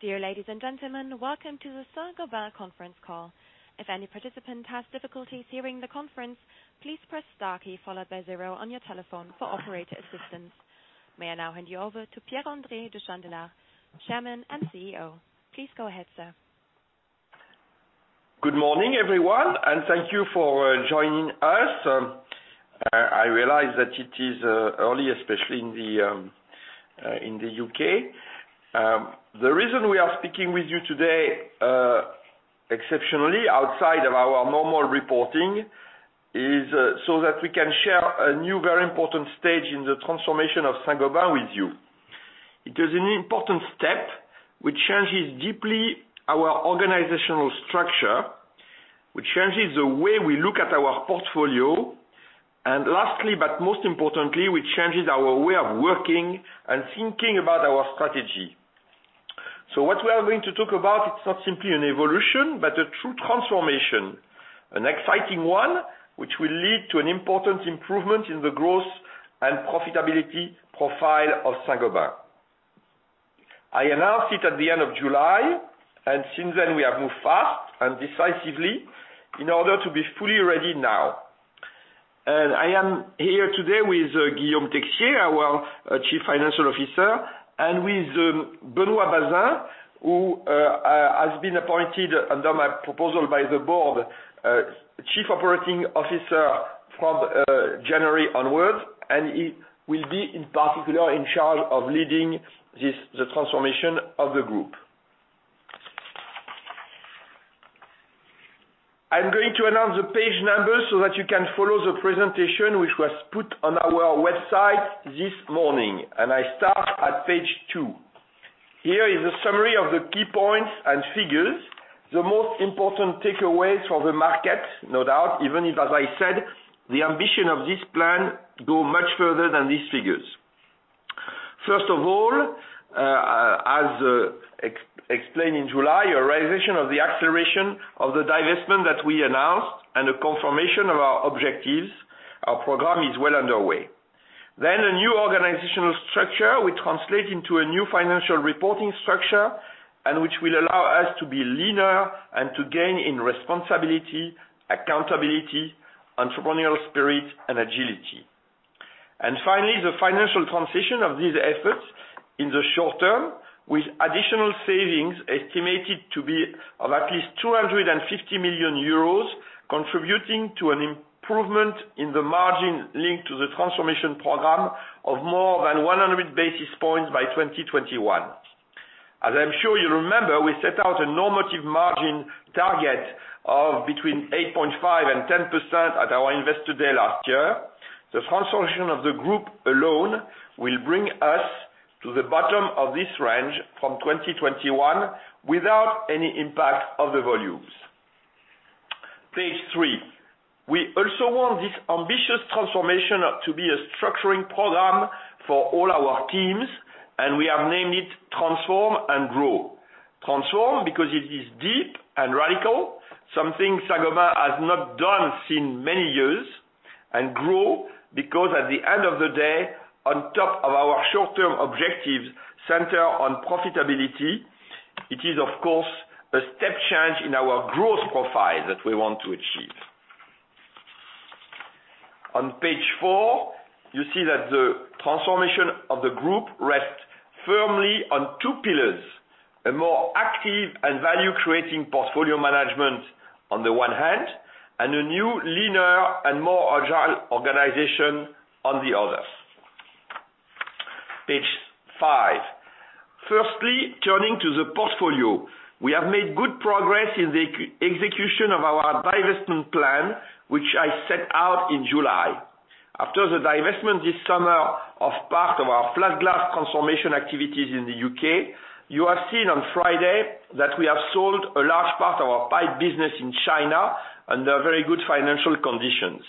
Dear ladies and gentlemen, welcome to the Saint-Gobain Conference Call. If any participant has difficulties hearing the conference, please press the star key followed by zero on your telephone for operator assistance. May I now hand you over to Pierre-André de Chalendar, Chairman and CEO? Please go ahead, sir. Good morning, everyone, and thank you for joining us. I realize that it is early, especially in the U.K. The reason we are speaking with you today, exceptionally outside of our normal reporting, is so that we can share a new, very important stage in the transformation of Saint-Gobain with you. It is an important step which changes deeply our organizational structure, which changes the way we look at our portfolio, and lastly, but most importantly, which changes our way of working and thinking about our strategy. What we are going to talk about, it's not simply an evolution, but a true transformation, an exciting one which will lead to an important improvement in the growth and profitability profile of Saint-Gobain. I announced it at the end of July, and since then, we have moved fast and decisively in order to be fully ready now. I am here today with Guillaume Texier, our Chief Financial Officer, and with Benoit Bazin, who has been appointed under my proposal by the board Chief Operating Officer from January onwards, and he will be, in particular, in charge of leading this the transformation of the group. I am going to announce the page numbers so that you can follow the presentation which was put on our website this morning, and I start at page two. Here is a summary of the key points and figures, the most important takeaways for the market, no doubt, even if, as I said, the ambition of this plan goes much further than these figures. First of all, as explained in July, a realization of the acceleration of the divestment that we announced and a confirmation of our objectives, our program is well underway. A new organizational structure which translates into a new financial reporting structure and which will allow us to be leaner and to gain in responsibility, accountability, entrepreneurial spirit, and agility. Finally, the financial transition of these efforts in the short term with additional savings estimated to be of at least 250 million euros, contributing to an improvement in the margin linked to the transformation program of more than 100 basis points by 2021. As I'm sure you remember, we set out a normative margin target of between 8.5% and 10% at our investor day last year. The transformation of the group alone will bring us to the bottom of this range from 2021 without any impact on the volumes. Page three. We also want this ambitious transformation to be a structuring program for all our teams, and we have named it Transform & Grow. Transform because it is deep and radical, something Saint-Gobain has not done in many years, and Grow because at the end of the day, on top of our short-term objectives centered on profitability, it is, of course, a step change in our growth profile that we want to achieve. On page four, you see that the transformation of the group rests firmly on two pillars: a more active and value-creating portfolio management on the one hand, and a new, leaner, and more agile organization on the other. Page five. Firstly, turning to the portfolio, we have made good progress in the execution of our divestment plan which I set out in July. After the divestment this summer of part of our Flat glass transformation activities in the U.K., you have seen on Friday that we have sold a large part of our pipe business in China under very good financial conditions.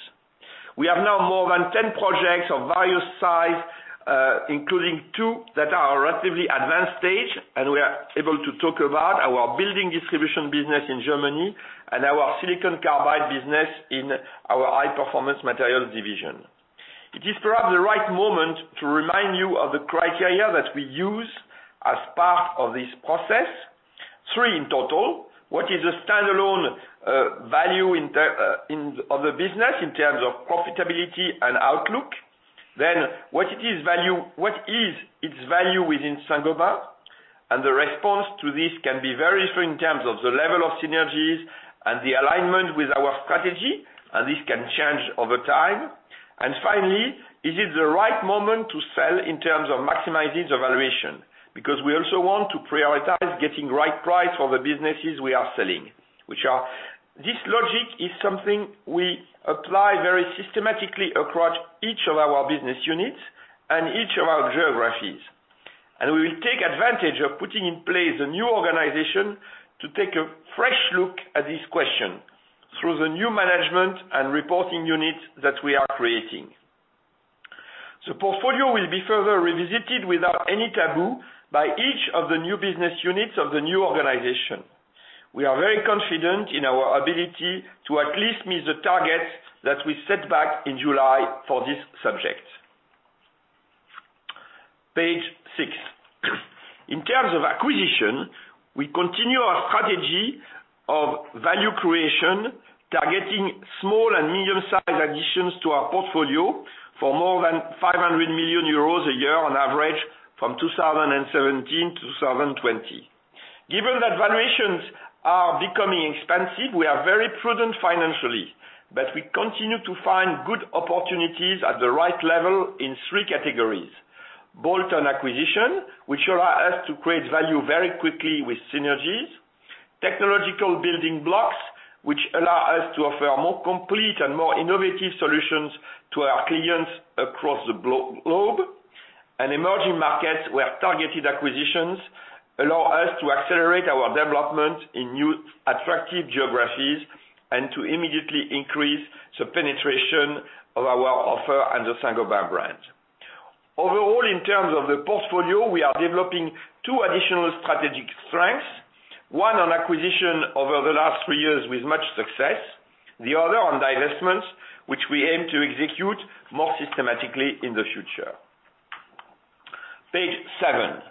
We have now more than 10 projects of various sizes, including two that are at a relatively advanced stage, and we are able to talk about our building distribution business in Germany and our silicon carbide business in our high-performance materials division. It is perhaps the right moment to remind you of the criteria that we use as part of this process. Three in total: what is the standalone value in the, in of the business in terms of profitability and outlook? Then what is its value within Saint-Gobain, and the response to this can be very different in terms of the level of synergies and the alignment with our strategy, and this can change over time. Finally, is it the right moment to sell in terms of maximizing the valuation? Because we also want to prioritize getting the right price for the businesses we are selling, which are this logic is something we apply very systematically across each of our business units and each of our geographies. We will take advantage of putting in place a new organization to take a fresh look at this question through the new management and reporting units that we are creating. The portfolio will be further revisited without any taboo by each of the new business units of the new organization. We are very confident in our ability to at least meet the targets that we set back in July for this subject. Page six. In terms of acquisition, we continue our strategy of value creation, targeting small and medium-sized additions to our portfolio for more than 500 million euros a year on average from 2017 to 2020. Given that valuations are becoming expensive, we are very prudent financially, but we continue to find good opportunities at the right level in three categories: bolt-on acquisition, which allows us to create value very quickly with synergies; technological building blocks, which allow us to offer more complete and more innovative solutions to our clients across the globe; and emerging markets where targeted acquisitions allow us to accelerate our development in new attractive geographies and to immediately increase the penetration of our offer under Saint-Gobain brand. Overall, in terms of the portfolio, we are developing two additional strategic strengths: one on acquisition over the last three years with much success, the other on divestments, which we aim to execute more systematically in the future. Page seven.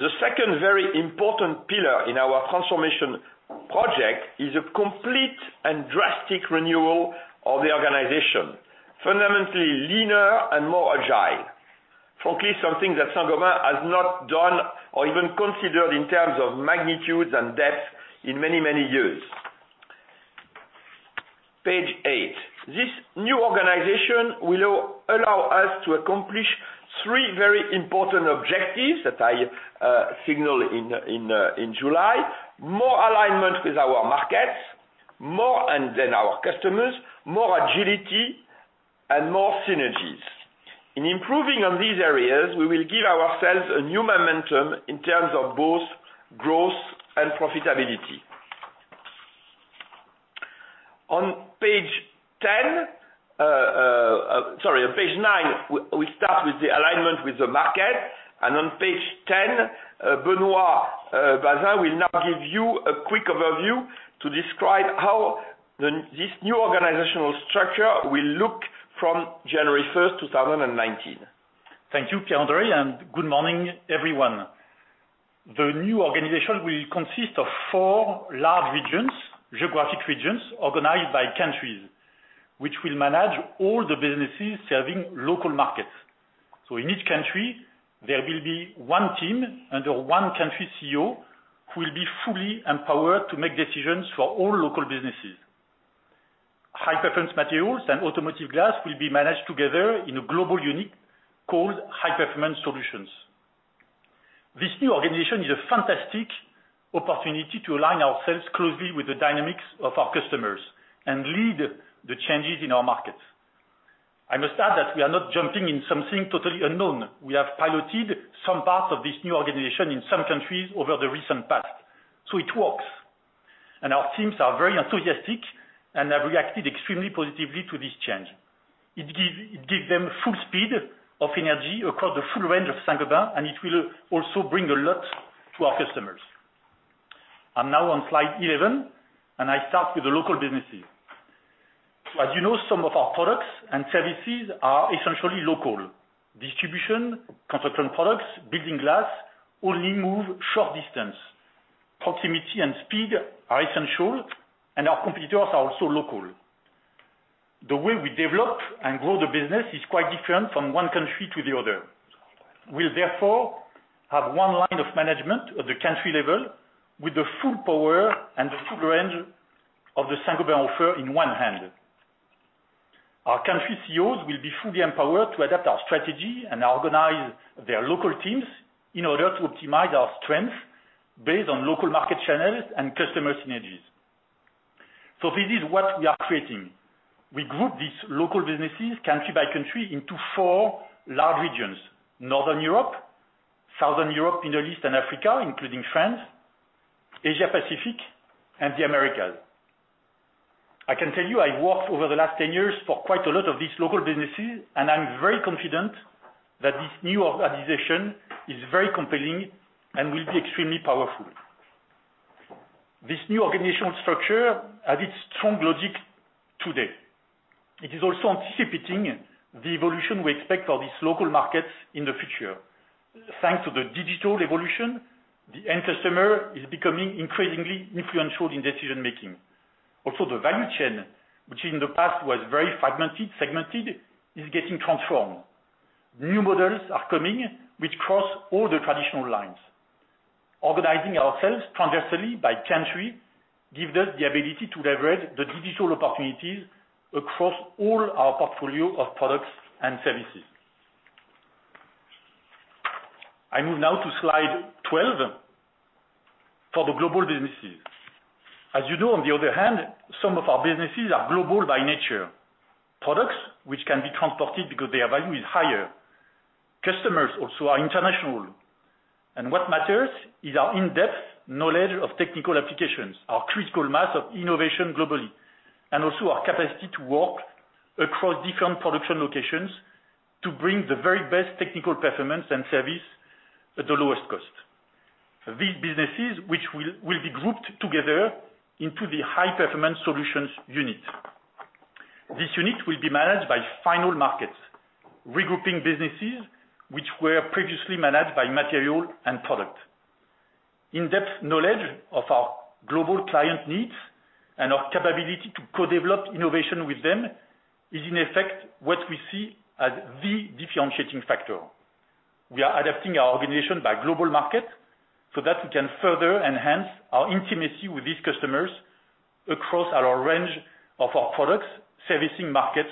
The second very important pillar in our transformation project is a complete and drastic renewal of the organization, fundamentally leaner and more agile. Frankly, something that Saint-Gobain has not done or even considered in terms of magnitudes and depth in many, many years. Page eight. This new organization will allow us to accomplish three very important objectives that I signaled in July: more alignment with our markets, more and then our customers, more agility, and more synergies. In improving on these areas, we will give ourselves a new momentum in terms of both growth and profitability. On page ten, sorry, on page nine, we start with the alignment with the market, and on page ten, Benoit Bazin will now give you a quick overview to describe how this new organizational structure will look from January 1, 2019. Thank you, Pierre-André, and good morning, everyone. The new organization will consist of four large regions, geographic regions, organized by countries, which will manage all the businesses serving local markets. In each country, there will be one team under one country's CEO who will be fully empowered to make decisions for all local businesses. High-performance materials and automotive glass will be managed together in a global unit called High-Performance Solutions. This new organization is a fantastic opportunity to align ourselves closely with the dynamics of our customers and lead the changes in our markets. I must add that we are not jumping in something totally unknown. We have piloted some parts of this new organization in some countries over the recent past, so it works. Our teams are very enthusiastic and have reacted extremely positively to this change. It gives them full speed of energy across the full range of Saint-Gobain, and it will also bring a lot to our customers. I'm now on slide 11, and I start with the local businesses. As you know, some of our products and services are essentially local. Distribution, construction products, building glass only move short distances. Proximity and speed are essential, and our competitors are also local. The way we develop and grow the business is quite different from one country to the other. We'll therefore have one line of management at the country level with the full power and the full range of the Saint-Gobain offer in one hand. Our country's CEOs will be fully empowered to adapt our strategy and organize their local teams in order to optimize our strength based on local market channels and customer synergies. This is what we are creating. We group these local businesses, country by country, into four large regions: Northern Europe, Southern Europe, Middle East and Africa, including France, Asia-Pacific, and the Americas. I can tell you I've worked over the last 10 years for quite a lot of these local businesses, and I'm very confident that this new organization is very compelling and will be extremely powerful. This new organizational structure has its strong logic today. It is also anticipating the evolution we expect for these local markets in the future. Thanks to the digital evolution, the end customer is becoming increasingly influential in decision-making. Also, the value chain, which in the past was very fragmented, segmented, is getting transformed. New models are coming which cross all the traditional lines. Organizing ourselves transversely by country gives us the ability to leverage the digital opportunities across all our portfolio of products and services. I move now to slide 12 for the global businesses. As you know, on the other hand, some of our businesses are global by nature, products which can be transported because their value is higher. Customers also are international, and what matters is our in-depth knowledge of technical applications, our critical mass of innovation globally, and also our capacity to work across different production locations to bring the very best technical performance and service at the lowest cost. These businesses, which will be grouped together into the High-Performance Solutions unit. This unit will be managed by final markets, regrouping businesses which were previously managed by material and product. In-depth knowledge of our global client needs and our capability to co-develop innovation with them is, in effect, what we see as the differentiating factor. We are adapting our organization by global markets so that we can further enhance our intimacy with these customers across our range of our products, servicing markets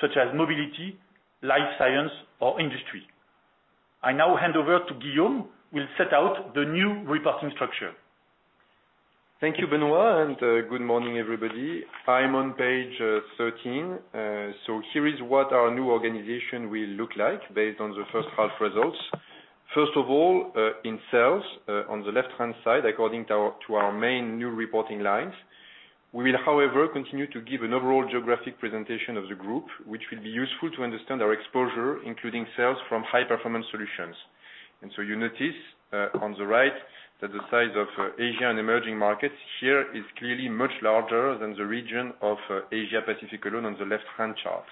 such as mobility, life science, or industry. I now hand over to Guillaume, who will set out the new reporting structure. Thank you, Benoit, and good morning, everybody. I'm on page 13. Here is what our new organization will look like based on the first half results. First of all, in sales, on the left-hand side, according to our main new reporting lines. We will, however, continue to give an overall geographic presentation of the group, which will be useful to understand our exposure, including sales from High-Performance Solutions. You notice on the right that the size of Asia and emerging markets here is clearly much larger than the region of Asia-Pacific alone on the left-hand chart.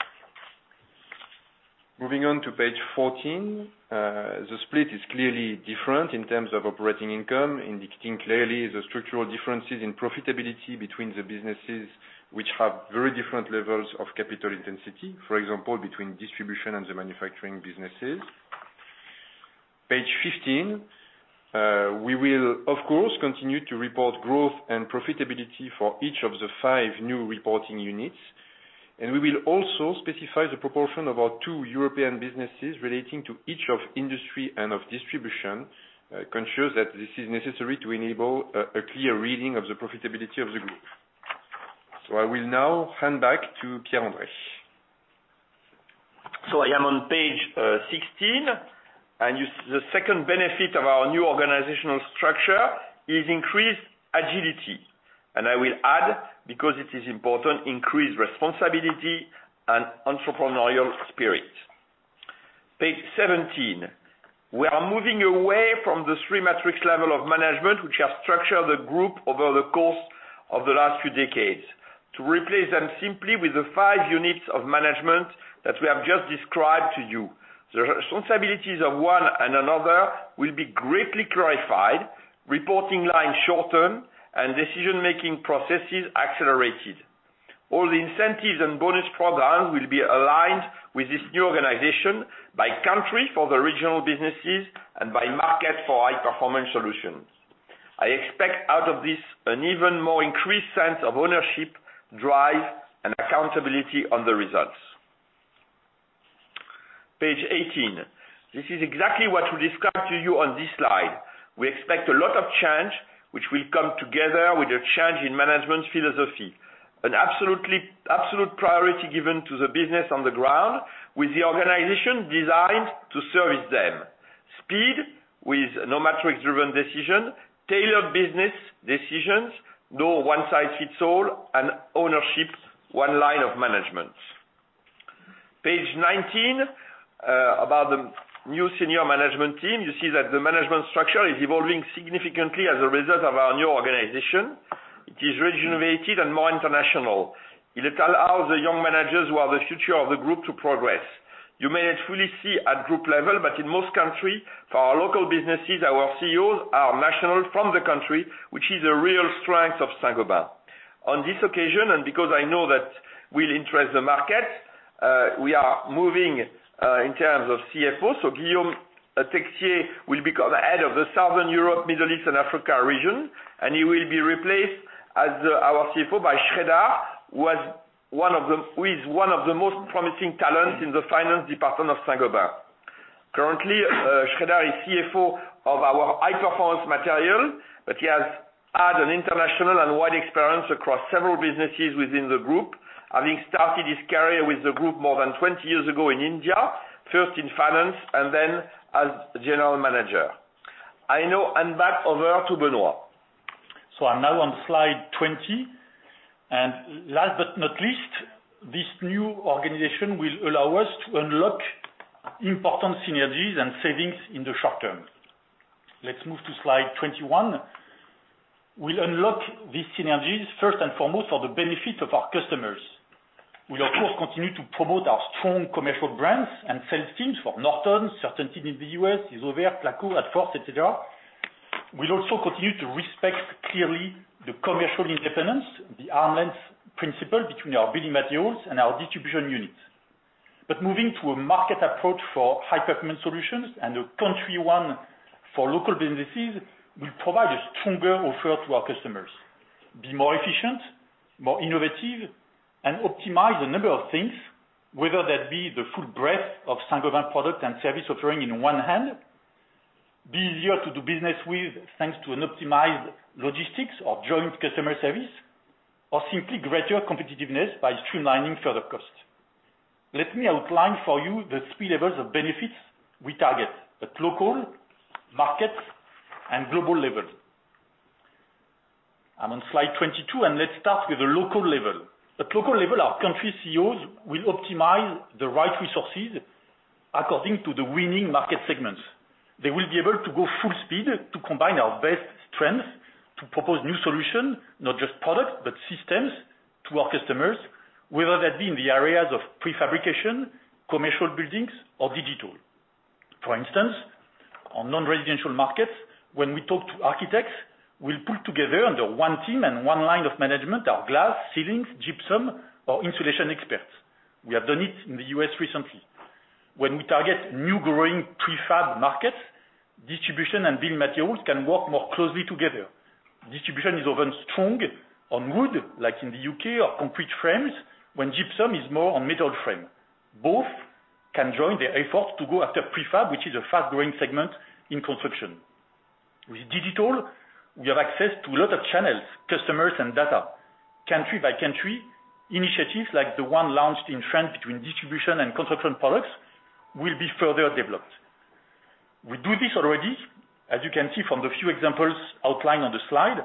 Moving on to page 14, the split is clearly different in terms of operating income, indicating clearly the structural differences in profitability between the businesses which have very different levels of capital intensity, for example, between distribution and the manufacturing businesses. Page 15, we will, of course, continue to report growth and profitability for each of the five new reporting units, and we will also specify the proportion of our two European businesses relating to each of industry and of distribution, conscious that this is necessary to enable a clear reading of the profitability of the group. I will now hand back to Pierre-André. I am on page 16, and the second benefit of our new organizational structure is increased agility. I will add, because it is important, increased responsibility and entrepreneurial spirit. Page 17, we are moving away from the three-matrix level of management which has structured the group over the course of the last few decades to replace them simply with the five units of management that we have just described to you. The responsibilities of one and another will be greatly clarified, reporting lines shortened, and decision-making processes accelerated. All the incentives and bonus programs will be aligned with this new organization by country for the regional businesses and by market for High-Performance Solutions. I expect out of this an even more increased sense of ownership, drive, and accountability on the results. Page 18, this is exactly what we described to you on this slide. We expect a lot of change which will come together with a change in management philosophy, an absolutely absolute priority given to the business on the ground with the organization designed to service them, speed with no-matrix-driven decision, tailored business decisions, no one-size-fits-all, and ownership, one line of management. Page 19, about the new senior management team, you see that the management structure is evolving significantly as a result of our new organization. It is regenerated and more international. It will allow the young managers who are the future of the group to progress. You may not fully see at group level, but in most countries, for our local businesses, our CEOs are national from the country, which is a real strength of Saint-Gobain. On this occasion, and because I know that will interest the market, we are moving in terms of CFO. Guillaume Texier will become head of the Southern Europe, Middle East, and Africa region, and he will be replaced as our CFO by Chalendar, who is one of the most promising talents in the finance department of Saint-Gobain. Currently, Chalendar is CFO of our High-Performance Materials, but he has had an international and wide experience across several businesses within the group, having started his career with the group more than 20 years ago in India, first in finance and then as general manager. I now hand back over to Benoit. I'm now on slide 20. Last but not least, this new organization will allow us to unlock important synergies and savings in the short term. Let's move to slide 21. We'll unlock these synergies, first and foremost, for the benefit of our customers. We'll, of course, continue to promote our strong commercial brands and sales teams for Norton, CertainTeed in the US, ISOVER, Placo, ADFORS, etc. We'll also continue to respect clearly the commercial independence, the arm's length principle between our building materials and our distribution units. Moving to a market approach for High-Performance Solutions and a country one for local businesses will provide a stronger offer to our customers, be more efficient, more innovative, and optimize a number of things, whether that be the full breadth of Saint-Gobain product and service offering in one hand, be easier to do business with thanks to an optimized logistics or joint customer service, or simply greater competitiveness by streamlining further costs. Let me outline for you the three levels of benefits we target at local, market, and global level. I'm on slide 22, and let's start with the local level. At local level, our country's CEOs will optimize the right resources according to the winning market segments. They will be able to go full speed to combine our best strengths to propose new solutions, not just products, but systems to our customers, whether that be in the areas of prefabrication, commercial buildings, or digital. For instance, on non-residential markets, when we talk to architects, we'll pull together under one team and one line of management our glass, ceilings, gypsum, or insulation experts. We have done it in the US recently. When we target new growing prefab markets, distribution and building materials can work more closely together. Distribution is often strong on wood, like in the U.K., or concrete frames, when gypsum is more on metal frame. Both can join the effort to go after prefab, which is a fast-growing segment in construction. With digital, we have access to a lot of channels, customers, and data. Country by country, initiatives like the one launched in France between distribution and construction products will be further developed. We do this already, as you can see from the few examples outlined on the slide,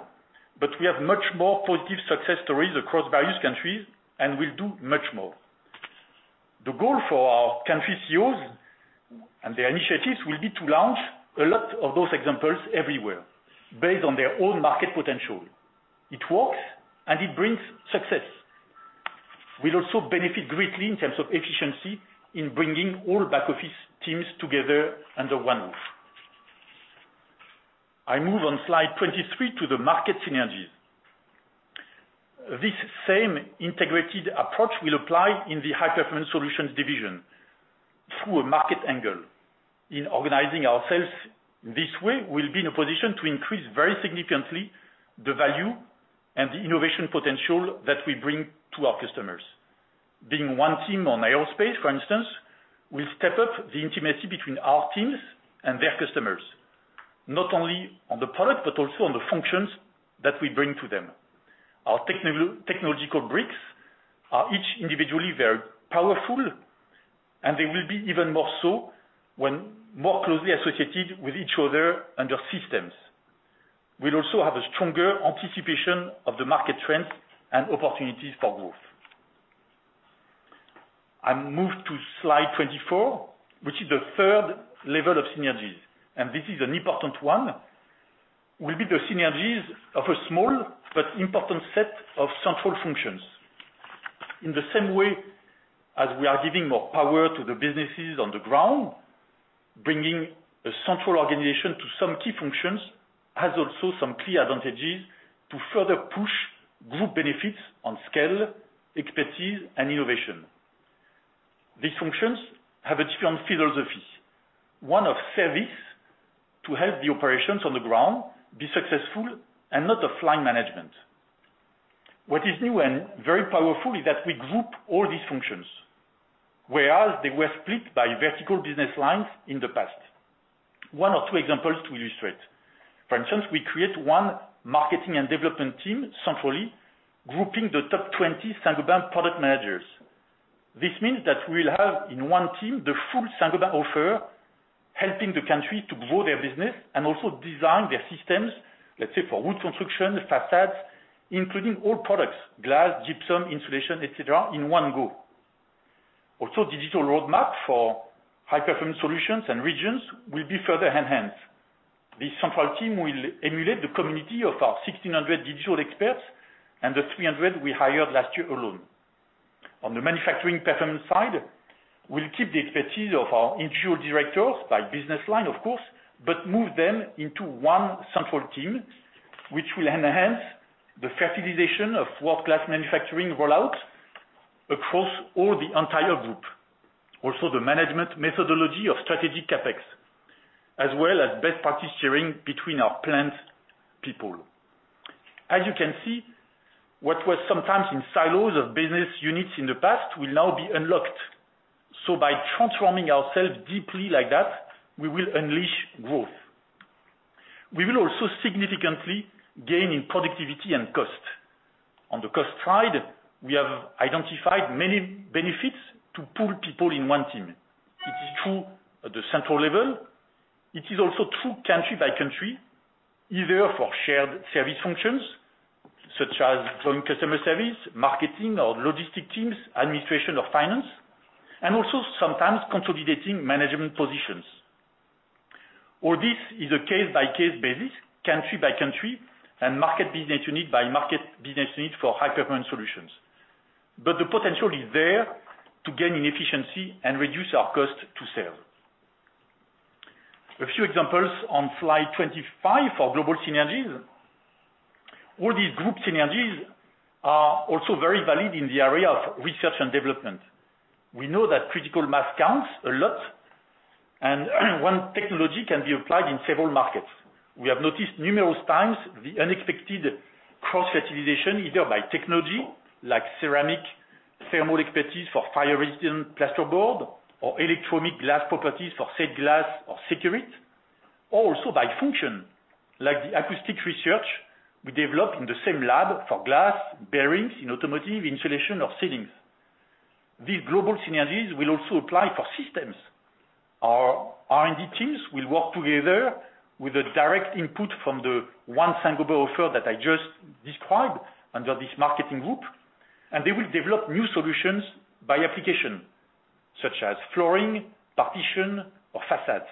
but we have much more positive success stories across various countries and will do much more. The goal for our country's CEOs and their initiatives will be to launch a lot of those examples everywhere based on their own market potential. It works, and it brings success. We'll also benefit greatly in terms of efficiency in bringing all back-office teams together under one roof. I move on slide 23 to the market synergies. This same integrated approach will apply in the High-Performance Solutions division through a market angle. In organizing ourselves in this way, we'll be in a position to increase very significantly the value and the innovation potential that we bring to our customers. Being one team on aerospace, for instance, will step up the intimacy between our teams and their customers, not only on the product but also on the functions that we bring to them. Our technological bricks are each individually very powerful, and they will be even more so when more closely associated with each other under systems. We'll also have a stronger anticipation of the market trends and opportunities for growth. I move to slide 24, which is the third level of synergies, and this is an important one. We'll be the synergies of a small but important set of central functions. In the same way as we are giving more power to the businesses on the ground, bringing a central organization to some key functions has also some key advantages to further push group benefits on scale, expertise, and innovation. These functions have a different philosophy, one of service to help the operations on the ground be successful and not of line management. What is new and very powerful is that we group all these functions, whereas they were split by vertical business lines in the past. One or two examples to illustrate. For instance, we create one marketing and development team centrally, grouping the top 20 Saint-Gobain product managers. This means that we will have in one team the full Saint-Gobain offer, helping the country to grow their business and also design their systems, let's say for wood construction, facades, including all products, glass, gypsum, insulation, etc., in one go. Also, digital roadmap for High-Performance Solutions and regions will be further enhanced. This central team will emulate the community of our 1,600 digital experts and the 300 we hired last year alone. On the manufacturing performance side, we'll keep the expertise of our individual directors by business line, of course, but move them into one central team, which will enhance the fertilization of world-class manufacturing rollouts across all the entire group, also the management methodology of strategic CapEx, as well as best practice sharing between our plant people. As you can see, what was sometimes in silos of business units in the past will now be unlocked. By transforming ourselves deeply like that, we will unleash growth. We will also significantly gain in productivity and cost. On the cost side, we have identified many benefits to pull people in one team. It is true at the central level. It is also true country by country, either for shared service functions such as joint customer service, marketing or logistic teams, administration or finance, and also sometimes consolidating management positions. All this is a case-by-case basis, country by country, and market business unit by market business unit for High-Performance Solutions. The potential is there to gain in efficiency and reduce our cost to sales. A few examples on slide 25 for global synergies. All these group synergies are also very valid in the area of research and development. We know that critical mass counts a lot, and one technology can be applied in several markets. We have noticed numerous times the unexpected cross-fertilization, either by technology like ceramic thermal expertise for fire-resistant plasterboard or electronic glass properties for said glass or security, or also by function like the acoustic research we develop in the same lab for glass bearings in automotive, insulation, or ceilings. These global synergies will also apply for systems. Our R&D teams will work together with a direct input from the one Saint-Gobain offer that I just described under this marketing group, and they will develop new solutions by application, such as flooring, partition, or facades.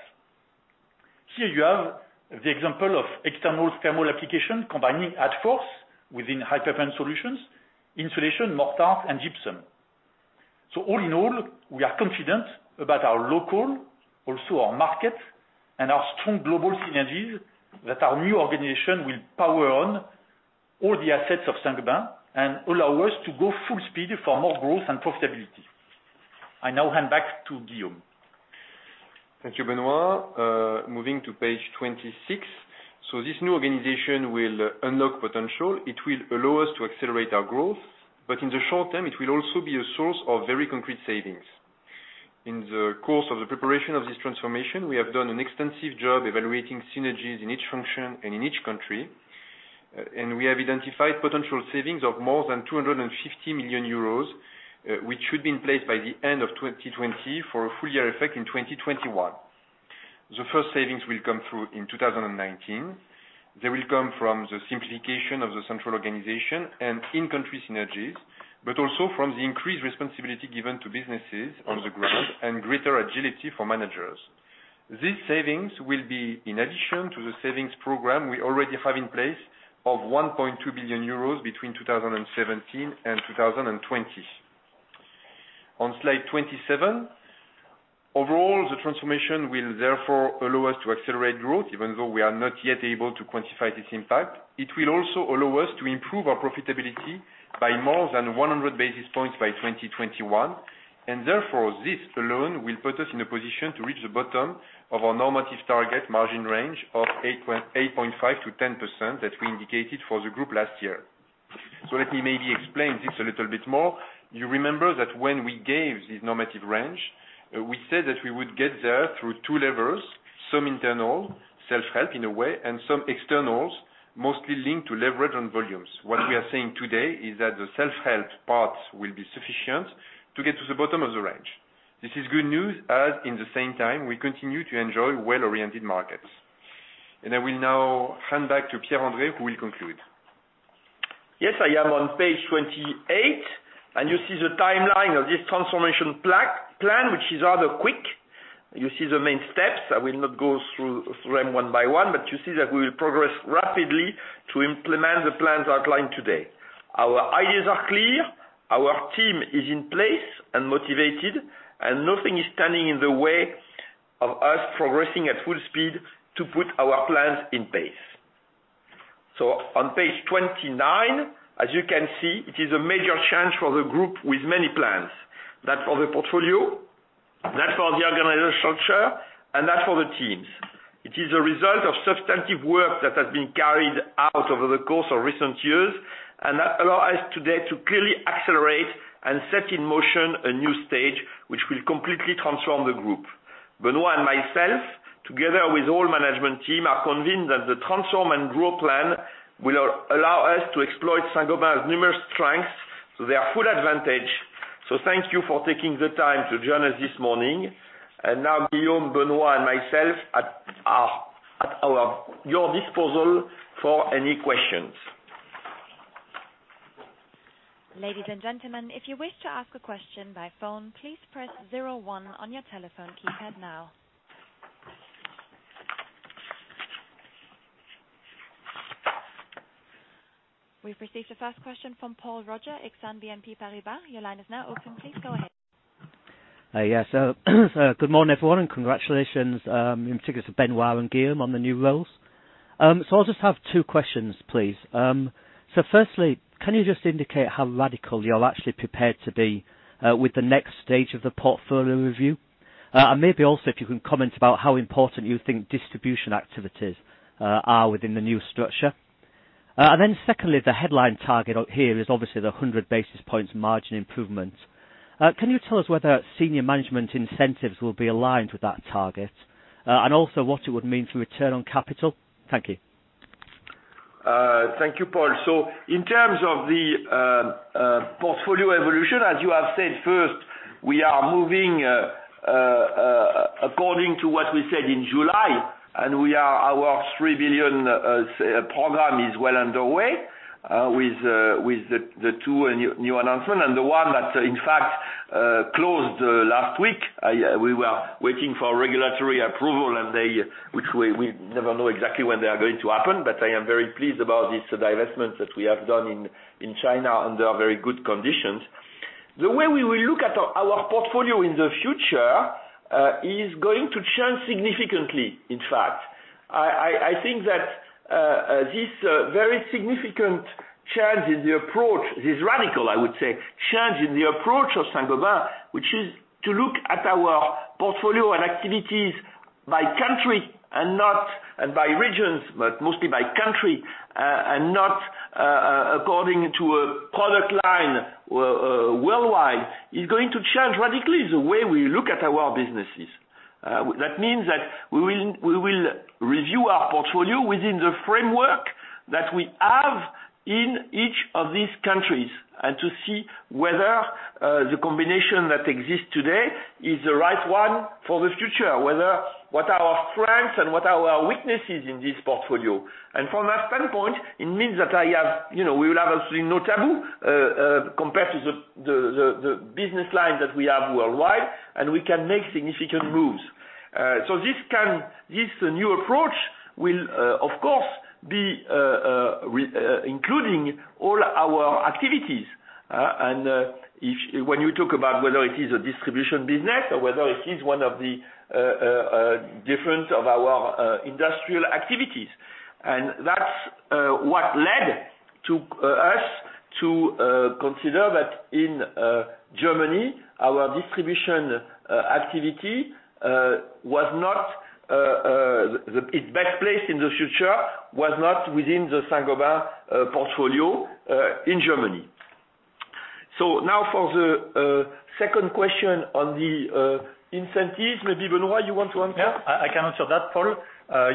Here you have the example of external thermal application combining Weber within High-Performance Solutions, insulation, mortars, and gypsum. All in all, we are confident about our local, also our market, and our strong global synergies that our new organization will power on all the assets of Saint-Gobain and allow us to go full speed for more growth and profitability. I now hand back to Guillaume. Thank you, Benoit. Moving to page 26. This new organization will unlock potential. It will allow us to accelerate our growth, but in the short term, it will also be a source of very concrete savings. In the course of the preparation of this transformation, we have done an extensive job evaluating synergies in each function and in each country, and we have identified potential savings of more than 250 million euros, which should be in place by the end of 2020 for a full-year effect in 2021. The first savings will come through in 2019. They will come from the simplification of the central organization and in-country synergies, but also from the increased responsibility given to businesses on the ground and greater agility for managers. These savings will be in addition to the savings program we already have in place of 1.2 billion euros between 2017 and 2020. On slide 27, overall, the transformation will therefore allow us to accelerate growth, even though we are not yet able to quantify this impact. It will also allow us to improve our profitability by more than 100 basis points by 2021, and therefore, this alone will put us in a position to reach the bottom of our normative target margin range of 8.5-10% that we indicated for the group last year. Let me maybe explain this a little bit more. You remember that when we gave this normative range, we said that we would get there through two levels, some internal self-help in a way, and some externals, mostly linked to leverage on volumes. What we are saying today is that the self-help part will be sufficient to get to the bottom of the range. This is good news, as in the same time, we continue to enjoy well-oriented markets. I will now hand back to Pierre-André, who will conclude. Yes, I am on page 28, and you see the timeline of this transformation plan, which is rather quick. You see the main steps. I will not go through them one by one, but you see that we will progress rapidly to implement the plans outlined today. Our ideas are clear. Our team is in place and motivated, and nothing is standing in the way of us progressing at full speed to put our plans in place. On page 29, as you can see, it is a major challenge for the group with many plans, that for the portfolio, that for the organizational chair, and that for the teams. It is a result of substantive work that has been carried out over the course of recent years, and that allows us today to clearly accelerate and set in motion a new stage which will completely transform the group. Benoit and myself, together with the whole management team, are convinced that the Transform & Grow plan will allow us to exploit Saint-Gobain's numerous strengths to their full advantage. Thank you for taking the time to join us this morning. Now, Guillaume, Benoit, and myself are at your disposal for any questions. Ladies and gentlemen, if you wish to ask a question by phone, please press zero one on your telephone keypad now. We've received a first question from Paul Roger, Exane BNP Paribas. Your line is now open. Please go ahead. Hi, yes. Good morning, everyone, and congratulations, in particular to Benoit and Guillaume on the new roles. I just have two questions, please. Firstly, can you just indicate how radical you're actually prepared to be with the next stage of the portfolio review? Maybe also, if you can comment about how important you think distribution activities are within the new structure. Secondly, the headline target here is obviously the 100 basis points margin improvement. Can you tell us whether senior management incentives will be aligned with that target, and also what it would mean for return on capital? Thank you. Thank you, Paul. In terms of the portfolio evolution, as you have said, first, we are moving according to what we said in July, and our 3 billion program is well underway with the two new announcements and the one that, in fact, closed last week. We were waiting for regulatory approval, which we never know exactly when they are going to happen, but I am very pleased about this divestment that we have done in China under very good conditions. The way we will look at our portfolio in the future is going to change significantly, in fact. I think that this very significant change in the approach, this radical, I would say, change in the approach of Saint-Gobain, which is to look at our portfolio and activities by country and by regions, but mostly by country, and not according to a product line worldwide, is going to change radically the way we look at our businesses. That means that we will review our portfolio within the framework that we have in each of these countries and to see whether the combination that exists today is the right one for the future, whether what are our strengths and what are our weaknesses in this portfolio. From that standpoint, it means that we will have absolutely no taboo compared to the business line that we have worldwide, and we can make significant moves. This new approach will, of course, be including all our activities. When you talk about whether it is a distribution business or whether it is one of the different of our industrial activities, that is what led us to consider that in Germany, our distribution activity was not its best place in the future, was not within the Saint-Gobain portfolio in Germany. Now for the second question on the incentives, maybe Benoit, you want to answer? Yes, I can answer that, Paul.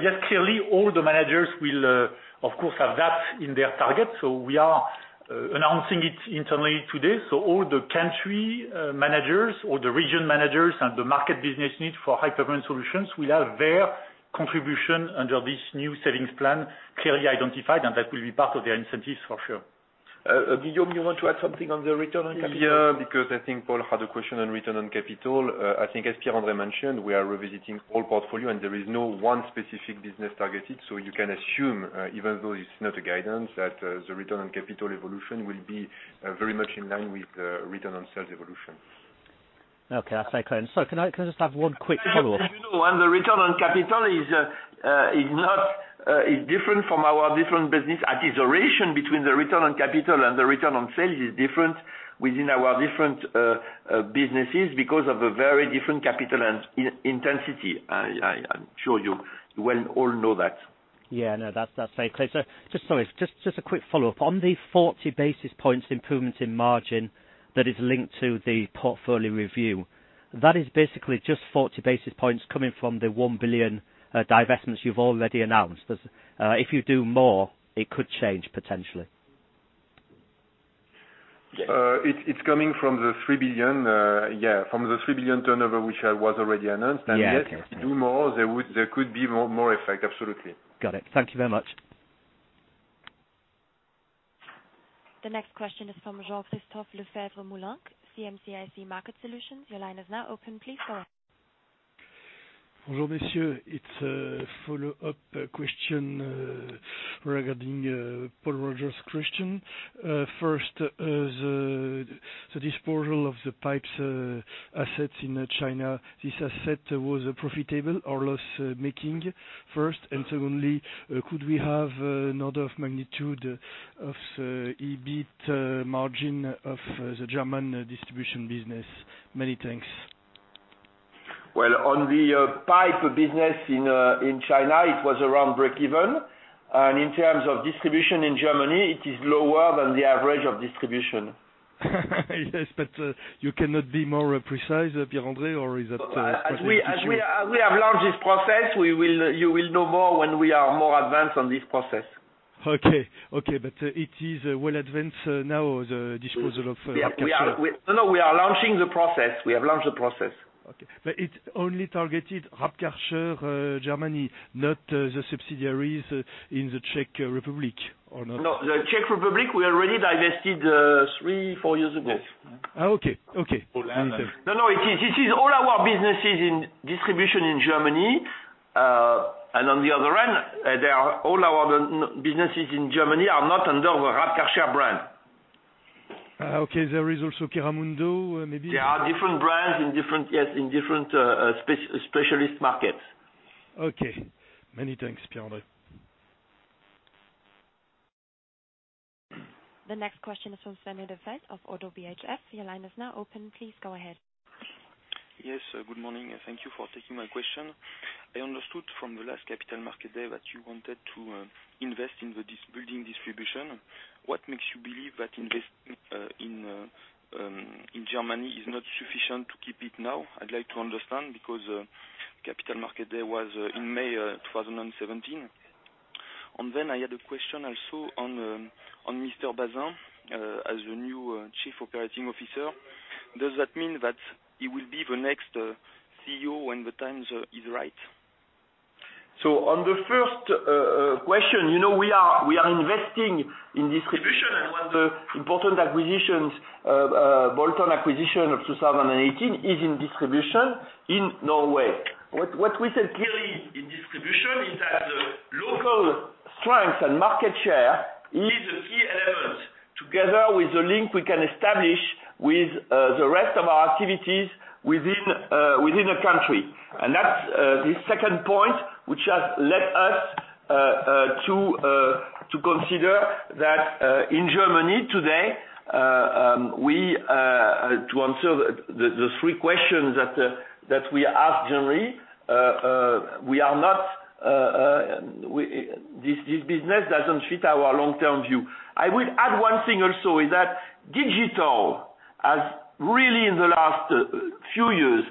Yes, clearly, all the managers will, of course, have that in their target. We are announcing it internally today. All the country managers, all the region managers, and the market business need for High-Performance Solutions will have their contribution under this new savings plan clearly identified, and that will be part of their incentives for sure. Guillaume, you want to add something on the return on capital? Yeah, because I think Paul had a question on return on capital. I think, as Pierre-André mentioned, we are revisiting all portfolio, and there is no one specific business targeted. You can assume, even though it's not a guidance, that the return on capital evolution will be very much in line with the return on sales evolution. Okay, that's very clear. Can I just have one quick follow-up? The return on capital is different from our different business. At this oration, between the return on capital and the return on sales is different within our different businesses because of a very different capital intensity. I'm sure you well all know that. Yeah, no, that's very clear. Just a quick follow-up. On the 40 basis points improvement in margin that is linked to the portfolio review, that is basically just 40 basis points coming from the 1 billion divestments you've already announced. If you do more, it could change potentially. It's coming from the 3 billion, yeah, from the 3 billion turnover which I was already announced. Yes, if you do more, there could be more effect, absolutely. Got it. Thank you very much. The next question is from Jean-Christophe Lefebvre-Moulin, CMCIC Market Solutions. Your line is now open. Please go ahead. Bonjour, messieurs. It's a follow-up question regarding Paul Rogers, Christian. First, the disposal of the pipes assets in China, this asset was profitable or loss-making first? Secondly, could we have an order of magnitude of EBIT margin of the German distribution business? Many thanks. On the pipe business in China, it was around break-even. In terms of distribution in Germany, it is lower than the average of distribution. Yes, but you cannot be more precise, Pierre-André, or is that? As we have launched this process, you will know more when we are more advanced on this process. Okay, okay, it is well advanced now, the disposal of. Yeah, we are launching the process. We have launched the process. Okay, but it's only targeted Raab Karcher Germany, not the subsidiaries in the Czech Republic, or not? No, the Czech Republic, we already divested three, four years ago. Okay, okay. No, no, it is all our businesses in distribution in Germany. On the other end, all our businesses in Germany are not under the Raab Karcher brand. Okay, there is also Pierre-André, maybe? There are different brands in different specialist markets. Okay. Many thanks, Pierre-André. The next question is from Samuel De Veld of ODDO BHF. Your line is now open. Please go ahead. Yes, good morning. Thank you for taking my question. I understood from the last capital market day that you wanted to invest in building distribution. What makes you believe that investing in Germany is not sufficient to keep it now? I'd like to understand because capital market day was in May 2017. I had a question also on Mr. Bazin, as the new Chief Operating Officer. Does that mean that he will be the next CEO when the time is right? On the first question, we are investing in distribution, and one of the important acquisitions, bolt-on acquisition of 2018, is in distribution in Norway. What we said clearly in distribution is that the local strength and market share is a key element, together with the link we can establish with the rest of our activities within the country. That is the second point, which has led us to consider that in Germany today, to answer the three questions that we asked generally, this business does not fit our long-term view. I would add one thing also is that digital has really, in the last few years,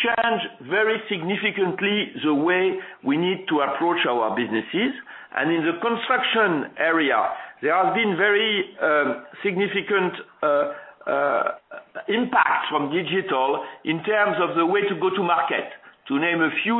changed very significantly the way we need to approach our businesses. In the construction area, there has been very significant impact from digital in terms of the way to go to market. To name a few,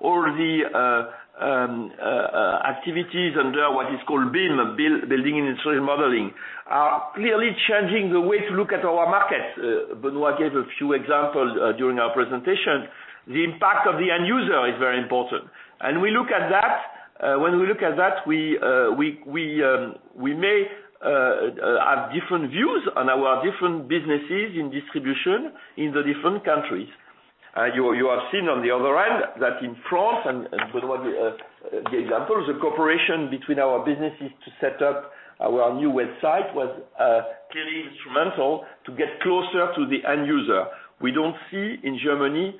all the activities under what is called BIM, Building and Instrument Modeling, are clearly changing the way to look at our market. Benoit gave a few examples during our presentation. The impact of the end user is very important. When we look at that, we may have different views on our different businesses in distribution in the different countries. You have seen on the other end that in France, and Benoit gave examples, the cooperation between our businesses to set up our new website was clearly instrumental to get closer to the end user. We do not see in Germany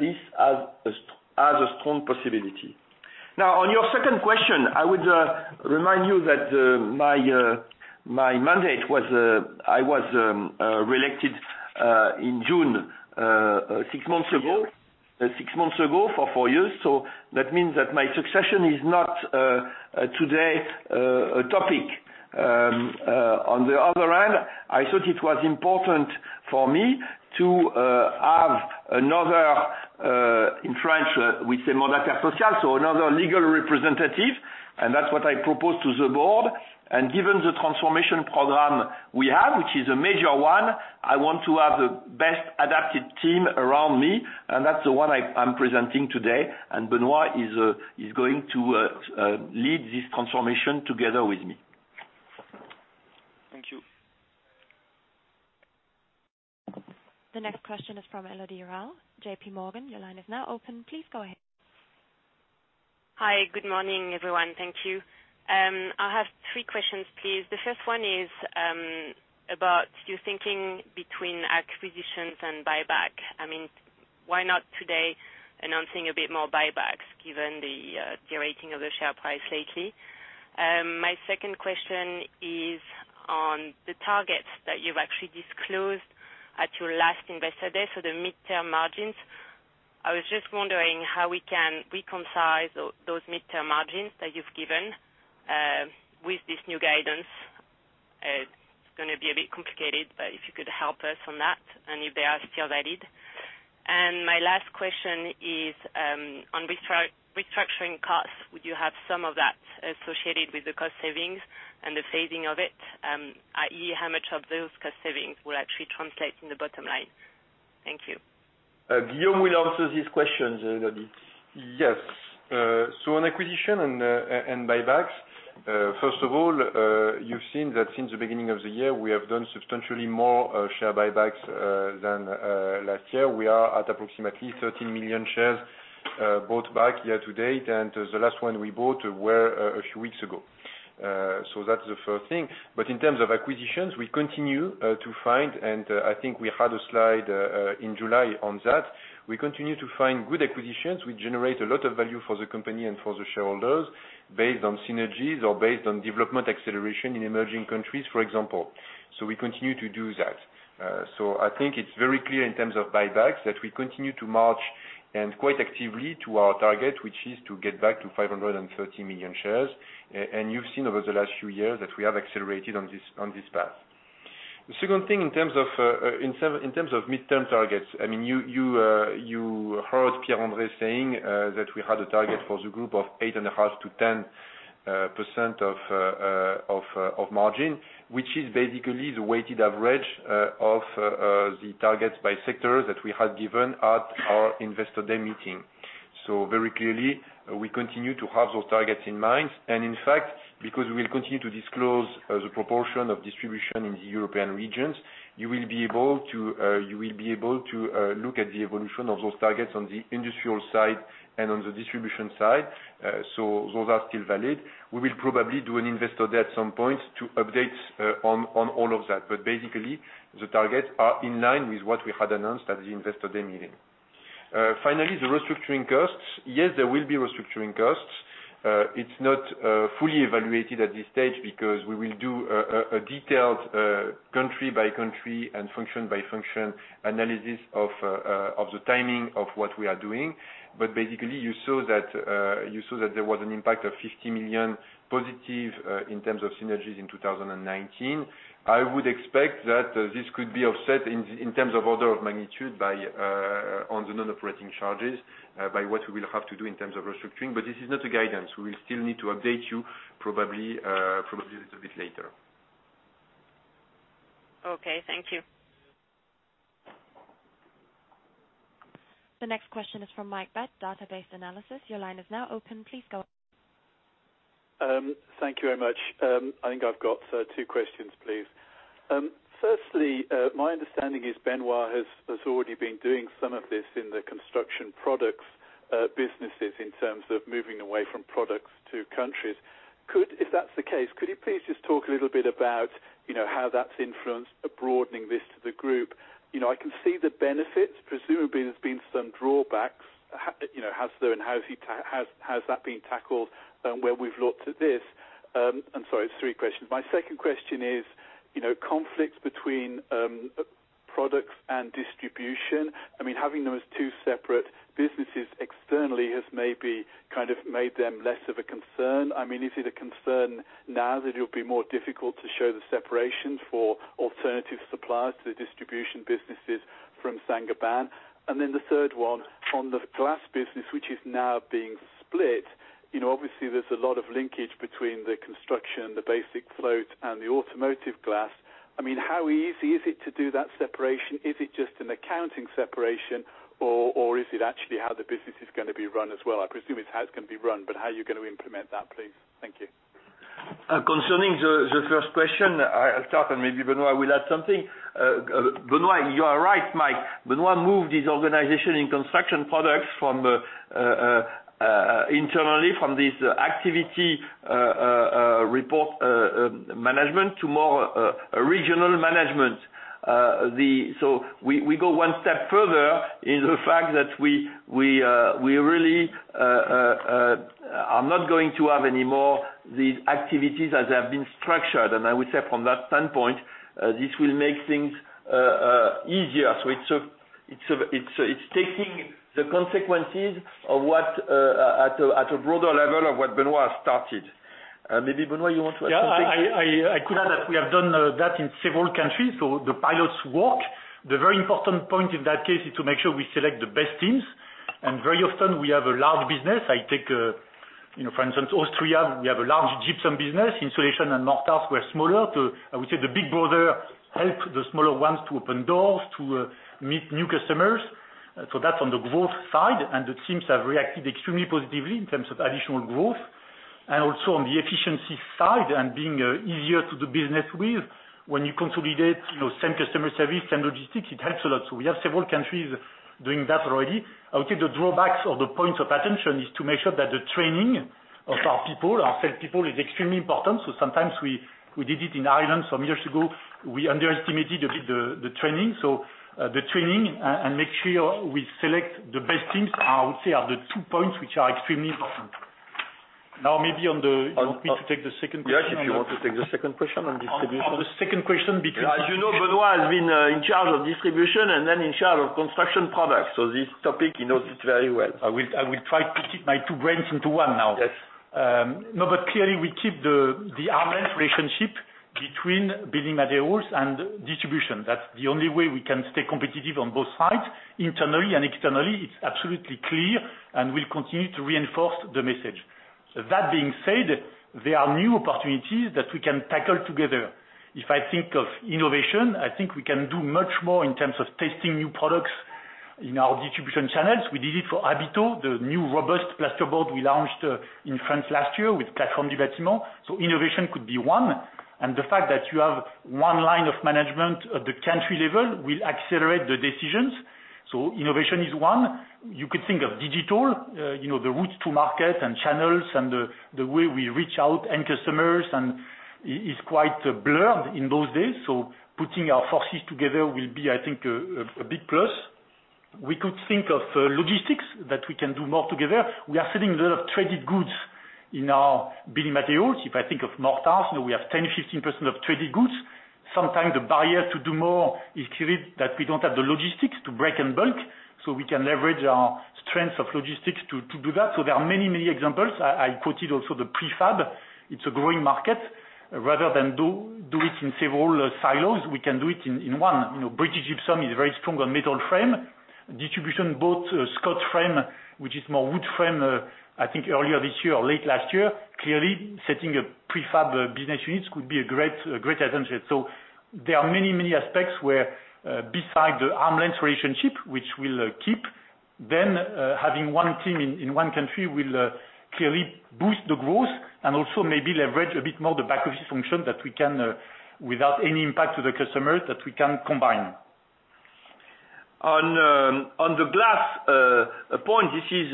this as a strong possibility. Now, on your second question, I would remind you that my mandate, I was re-elected in June six months ago, six months ago for four years. That means that my succession is not today a topic. On the other end, I thought it was important for me to have another, in French we say mandataire social, so another legal representative, and that's what I proposed to the board. Given the transformation program we have, which is a major one, I want to have the best adapted team around me, and that's the one I'm presenting today. Benoit is going to lead this transformation together with me. Thank you. The next question is from Élodie Raoult, JP Morgan. Your line is now open. Please go ahead. Hi, good morning, everyone. Thank you. I have three questions, please. The first one is about you thinking between acquisitions and buyback. I mean, why not today announcing a bit more buybacks, given the rating of the share price lately? My second question is on the targets that you've actually disclosed at your last investor day, so the mid-term margins. I was just wondering how we can reconcile those mid-term margins that you've given with this new guidance. It's going to be a bit complicated, but if you could help us on that, and if they are still valid. My last question is, on restructuring costs, would you have some of that associated with the cost savings and the phasing of it? I.e., how much of those cost savings will actually translate in the bottom line? Thank you. Guillaume will answer these questions, Elodie. Yes. On acquisition and buybacks, first of all, you've seen that since the beginning of the year, we have done substantially more share buybacks than last year. We are at approximately 13 million shares bought back year to date, and the last one we bought were a few weeks ago. That's the first thing. In terms of acquisitions, we continue to find, and I think we had a slide in July on that. We continue to find good acquisitions. We generate a lot of value for the company and for the shareholders based on synergies or based on development acceleration in emerging countries, for example. We continue to do that. I think it's very clear in terms of buybacks that we continue to march quite actively to our target, which is to get back to 530 million shares. You have seen over the last few years that we have accelerated on this path. The second thing in terms of mid-term targets, I mean, you heard Pierre-André saying that we had a target for the group of 8.5-10% of margin, which is basically the weighted average of the targets by sectors that we had given at our investor day meeting. Very clearly, we continue to have those targets in mind. In fact, because we will continue to disclose the proportion of distribution in the European regions, you will be able to look at the evolution of those targets on the industrial side and on the distribution side. Those are still valid. We will probably do an investor day at some point to update on all of that. Basically, the targets are in line with what we had announced at the investor day meeting. Finally, the restructuring costs, yes, there will be restructuring costs. It's not fully evaluated at this stage because we will do a detailed country-by-country and function-by-function analysis of the timing of what we are doing. Basically, you saw that there was an impact of 50 million positive in terms of synergies in 2019. I would expect that this could be offset in terms of order of magnitude on the non-operating charges by what we will have to do in terms of restructuring. This is not a guidance. We will still need to update you probably a little bit later. Okay, thank you. The next question is from Mike Beth, Database Analysis. Your line is now open. Please go ahead. Thank you very much. I think I've got two questions, please. Firstly, my understanding is Benoit has already been doing some of this in the construction products businesses in terms of moving away from products to countries. If that's the case, could you please just talk a little bit about how that's influenced broadening this to the group? I can see the benefits. Presumably, there's been some drawbacks. Has there and has that been tackled when we've looked at this? Sorry, it's three questions. My second question is conflicts between products and distribution. I mean, having them as two separate businesses externally has maybe kind of made them less of a concern. I mean, is it a concern now that it'll be more difficult to show the separation for alternative suppliers to the distribution businesses from Saint-Gobain? The third one, on the glass business, which is now being split, obviously, there's a lot of linkage between the construction, the basic float, and the automotive glass. I mean, how easy is it to do that separation? Is it just an accounting separation, or is it actually how the business is going to be run as well? I presume it's how it's going to be run, but how are you going to implement that, please? Thank you. Concerning the first question, I'll start, and maybe Benoit will add something. Benoit, you are right, Mike. Benoit moved his organization in construction products internally from this activity report management to more regional management. We go one step further in the fact that we really are not going to have any more of these activities as they have been structured. I would say from that standpoint, this will make things easier. It is taking the consequences of what at a broader level of what Benoit started. Maybe Benoit, you want to add something? Yeah, I could add that we have done that in several countries. The pilots work. The very important point in that case is to make sure we select the best teams. Very often, we have a large business. I take, for instance, Austria, we have a large gypsum business. Insulation and mortars were smaller. I would say the big brother helped the smaller ones to open doors, to meet new customers. That is on the growth side. The teams have reacted extremely positively in terms of additional growth. Also, on the efficiency side and being easier to do business with, when you consolidate same customer service, same logistics, it helps a lot. We have several countries doing that already. I would say the drawbacks or the points of attention are to make sure that the training of our people, our salespeople, is extremely important. Sometimes we did it in Ireland some years ago. We underestimated a bit the training. The training and making sure we select the best teams, I would say, are the two points which are extremely important. Now, maybe on the. You want me to take the second question? Yes, if you want to take the second question on distribution. The second question between. You know Benoit has been in charge of distribution and then in charge of construction products. So this topic, he knows it very well. I will try to keep my two brains into one now. Yes. No, but clearly, we keep the arm's length relationship between building materials and distribution. That's the only way we can stay competitive on both sides, internally and externally. It's absolutely clear, and we'll continue to reinforce the message. That being said, there are new opportunities that we can tackle together. If I think of innovation, I think we can do much more in terms of testing new products in our distribution channels. We did it for Habito, the new robust plasterboard we launched in France last year with Point.P. Innovation could be one. The fact that you have one line of management at the country level will accelerate the decisions. Innovation is one. You could think of digital, the route to market and channels and the way we reach out to end customers is quite blurred in those days. Putting our forces together will be, I think, a big plus. We could think of logistics that we can do more together. We are selling a lot of traded goods in our building materials. If I think of mortars, we have 10-15% of traded goods. Sometimes the barrier to do more is that we do not have the logistics to break in bulk, so we can leverage our strengths of logistics to do that. There are many, many examples. I quoted also the prefab. It is a growing market. Rather than do it in several silos, we can do it in one. British Gypsum is very strong on metal frame. Distribution bought Scott frame, which is more wood frame, I think, earlier this year or late last year. Clearly, setting a prefab business unit could be a great advantage. There are many, many aspects where, besides the arm's length relationship, which we'll keep, having one team in one country will clearly boost the growth and also maybe leverage a bit more the back-office function that we can, without any impact to the customers, combine. On the glass point, this is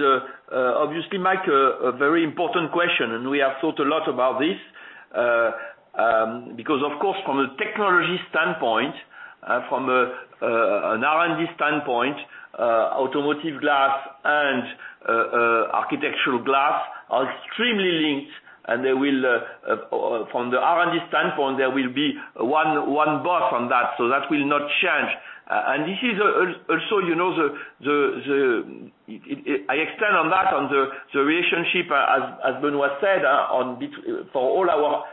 obviously, Mike, a very important question, and we have thought a lot about this. Because, of course, from a technology standpoint, from an R&D standpoint, automotive glass and architectural glass are extremely linked, and from the R&D standpoint, there will be one boss on that. That will not change. I extend on that, on the relationship, as Benoit said, for all our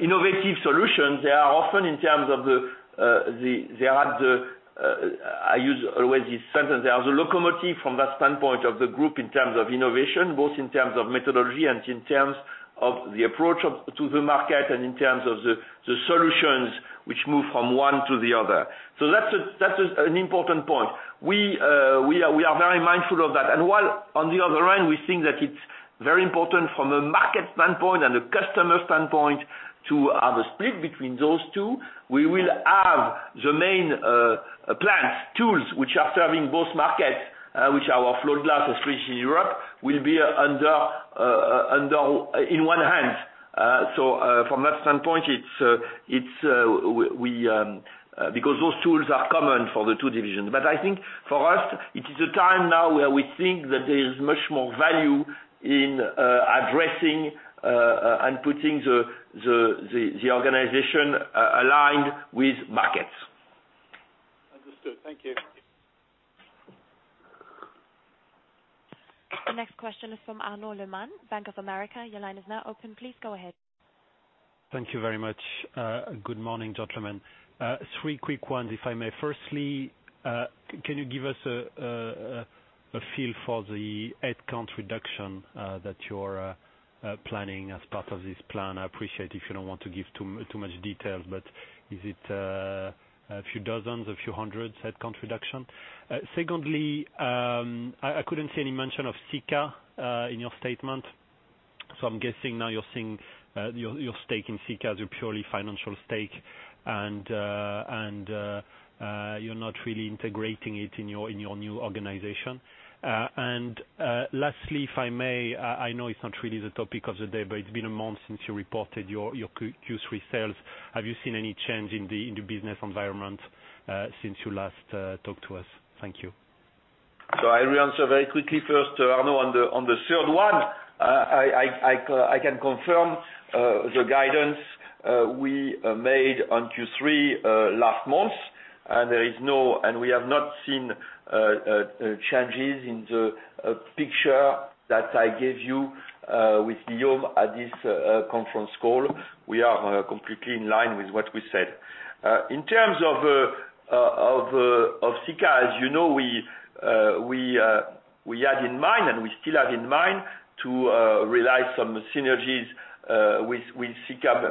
innovative solutions, they are often in terms of the, I use always this sentence, they are the locomotive from the standpoint of the group in terms of innovation, both in terms of methodology and in terms of the approach to the market and in terms of the solutions which move from one to the other. That is an important point. We are very mindful of that. While on the other end, we think that it's very important from a market standpoint and a customer standpoint to have a split between those two, we will have the main plants, tools which are serving both markets, which are our float glass especially in Europe, will be in one hand. From that standpoint, because those tools are common for the two divisions. I think for us, it is a time now where we think that there is much more value in addressing and putting the organization aligned with markets. Understood. Thank you. The next question is from Anup Menon, Bank of America. Your line is now open. Please go ahead. Thank you very much. Good morning, gentlemen. Three quick ones, if I may. Firstly, can you give us a feel for the headcount reduction that you're planning as part of this plan? I appreciate if you don't want to give too much detail, but is it a few dozens, a few hundreds headcount reduction? Secondly, I couldn't see any mention of Sika in your statement. So I'm guessing now you're seeing your stake in Sika as a purely financial stake, and you're not really integrating it in your new organization. And lastly, if I may, I know it's not really the topic of the day, but it's been a month since you reported your Q3 sales. Have you seen any change in the business environment since you last talked to us? Thank you. I'll re-answer very quickly first, Arnaud, on the third one. I can confirm the guidance we made on Q3 last month, and we have not seen changes in the picture that I gave you with Guillaume at this conference call. We are completely in line with what we said. In terms of Sika, as you know, we had in mind, and we still have in mind to realize some synergies with Sika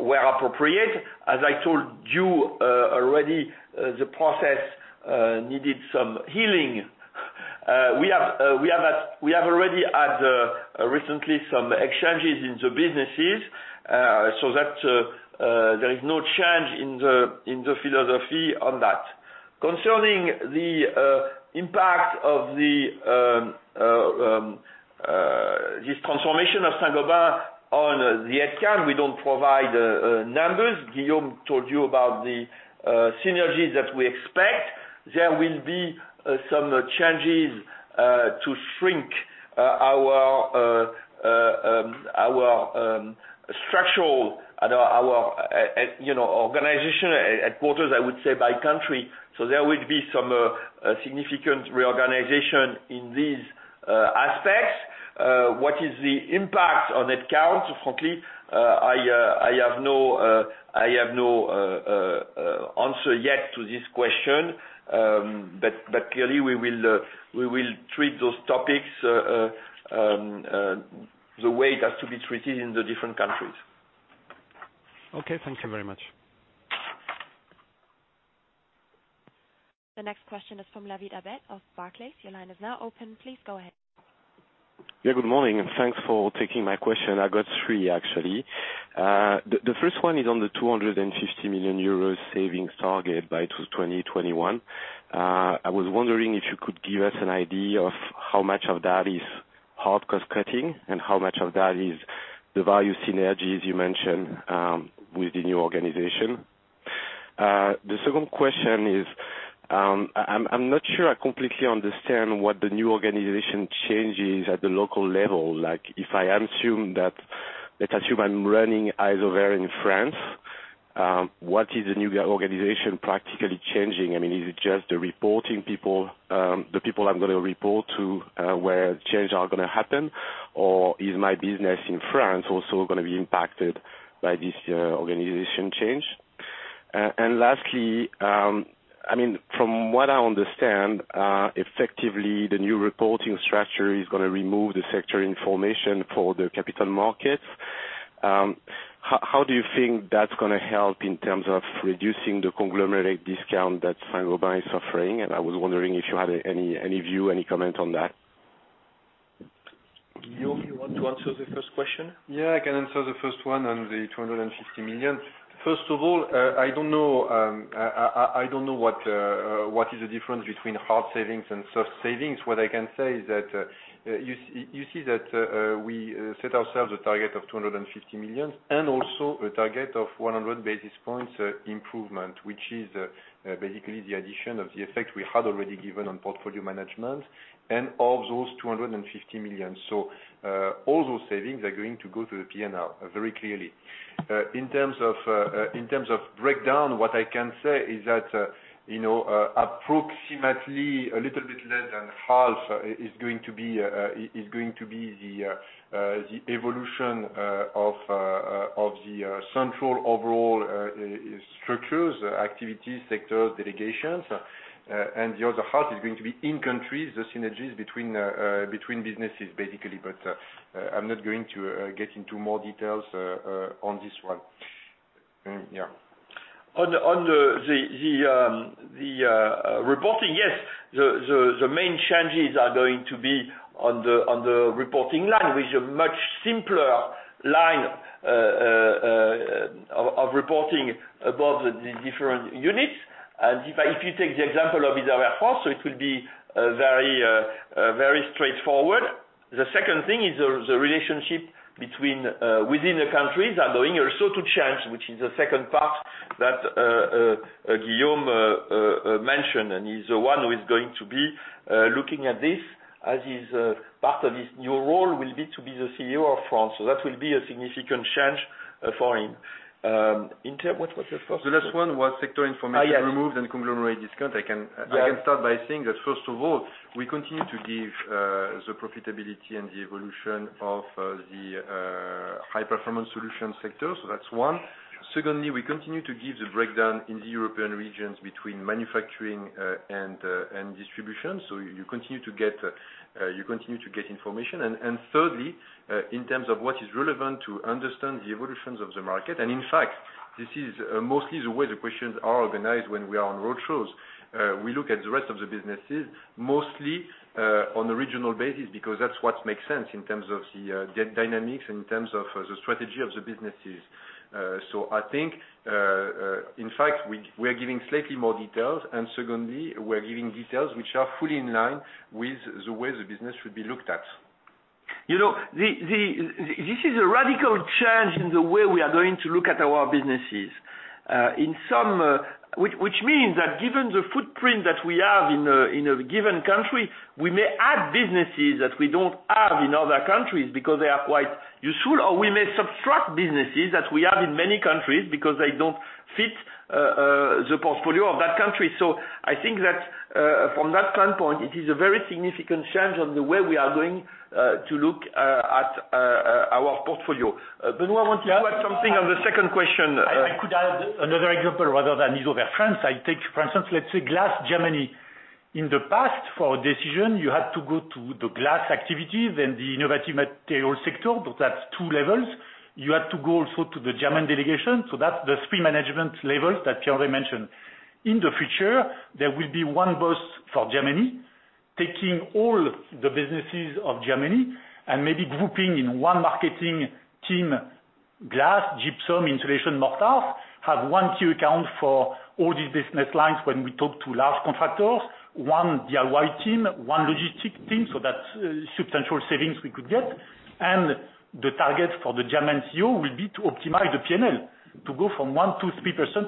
where appropriate. As I told you already, the process needed some healing. We have already had recently some exchanges in the businesses, so that there is no change in the philosophy on that. Concerning the impact of this transformation of Saint-Gobain on the headcount, we don't provide numbers. Guillaume told you about the synergies that we expect. There will be some changes to shrink our structural and our organizational headquarters, I would say, by country. There will be some significant reorganization in these aspects. What is the impact on headcount? Frankly, I have no answer yet to this question, but clearly, we will treat those topics the way it has to be treated in the different countries. Okay, thank you very much. The next question is from Latif Abid of Barclays. Your line is now open. Please go ahead. Yeah, good morning. Thanks for taking my question. I got three, actually. The first one is on the 250 million euros savings target by 2021. I was wondering if you could give us an idea of how much of that is hard cost-cutting and how much of that is the value synergies you mentioned with the new organization. The second question is, I'm not sure I completely understand what the new organization changes at the local level. If I assume that, let's assume I'm running Isover in France, what is the new organization practically changing? I mean, is it just the reporting people, the people I'm going to report to where changes are going to happen, or is my business in France also going to be impacted by this organization change? Lastly, I mean, from what I understand, effectively, the new reporting structure is going to remove the sector information for the capital markets. How do you think that's going to help in terms of reducing the conglomerate discount that Saint-Gobain is suffering? I was wondering if you had any view, any comment on that. Guillaume, you want to answer the first question? Yeah, I can answer the first one on the 250 million. First of all, I don't know what is the difference between hard savings and soft savings. What I can say is that you see that we set ourselves a target of 250 million and also a target of 100 basis points improvement, which is basically the addition of the effect we had already given on portfolio management and of those 250 million. All those savings are going to go to the P&R very clearly. In terms of breakdown, what I can say is that approximately a little bit less than half is going to be the evolution of the central overall structures, activities, sectors, delegations. The other half is going to be in-country, the synergies between businesses, basically. I'm not going to get into more details on this one. Yeah. On the reporting, yes, the main changes are going to be on the reporting line, which is a much simpler line of reporting above the different units. If you take the example of Isover France, it will be very straightforward. The second thing is the relationship within the countries are going also to change, which is the second part that Guillaume mentioned. He is the one who is going to be looking at this as part of his new role will be to be the CEO of France. That will be a significant change for him. What was the first one? The last one was sector information removed and conglomerate discount. I can start by saying that, first of all, we continue to give the profitability and the evolution of the high-performance solution sector. That is one. Secondly, we continue to give the breakdown in the European regions between manufacturing and distribution. You continue to get information. Thirdly, in terms of what is relevant to understand the evolutions of the market. In fact, this is mostly the way the questions are organized when we are on roadshows. We look at the rest of the businesses mostly on a regional basis because that is what makes sense in terms of the dynamics and in terms of the strategy of the businesses. I think, in fact, we are giving slightly more details. Secondly, we are giving details which are fully in line with the way the business should be looked at. This is a radical change in the way we are going to look at our businesses, which means that given the footprint that we have in a given country, we may add businesses that we do not have in other countries because they are quite useful, or we may subtract businesses that we have in many countries because they do not fit the portfolio of that country. I think that from that standpoint, it is a very significant change on the way we are going to look at our portfolio. Benoit, I want to add something on the second question. I could add another example rather than Isover France. For instance, let's say glass Germany. In the past, for a decision, you had to go to the glass activities and the innovative material sector. That is two levels. You had to go also to the German delegation. That's the three management levels that Pierre mentioned. In the future, there will be one boss for Germany taking all the businesses of Germany and maybe grouping in one marketing team, glass, gypsum, insulation, mortars, have one key account for all these business lines when we talk to large contractors, one DIY team, one logistics team. That's substantial savings we could get. The target for the German CEO will be to optimize the P&L, to go from 1-3%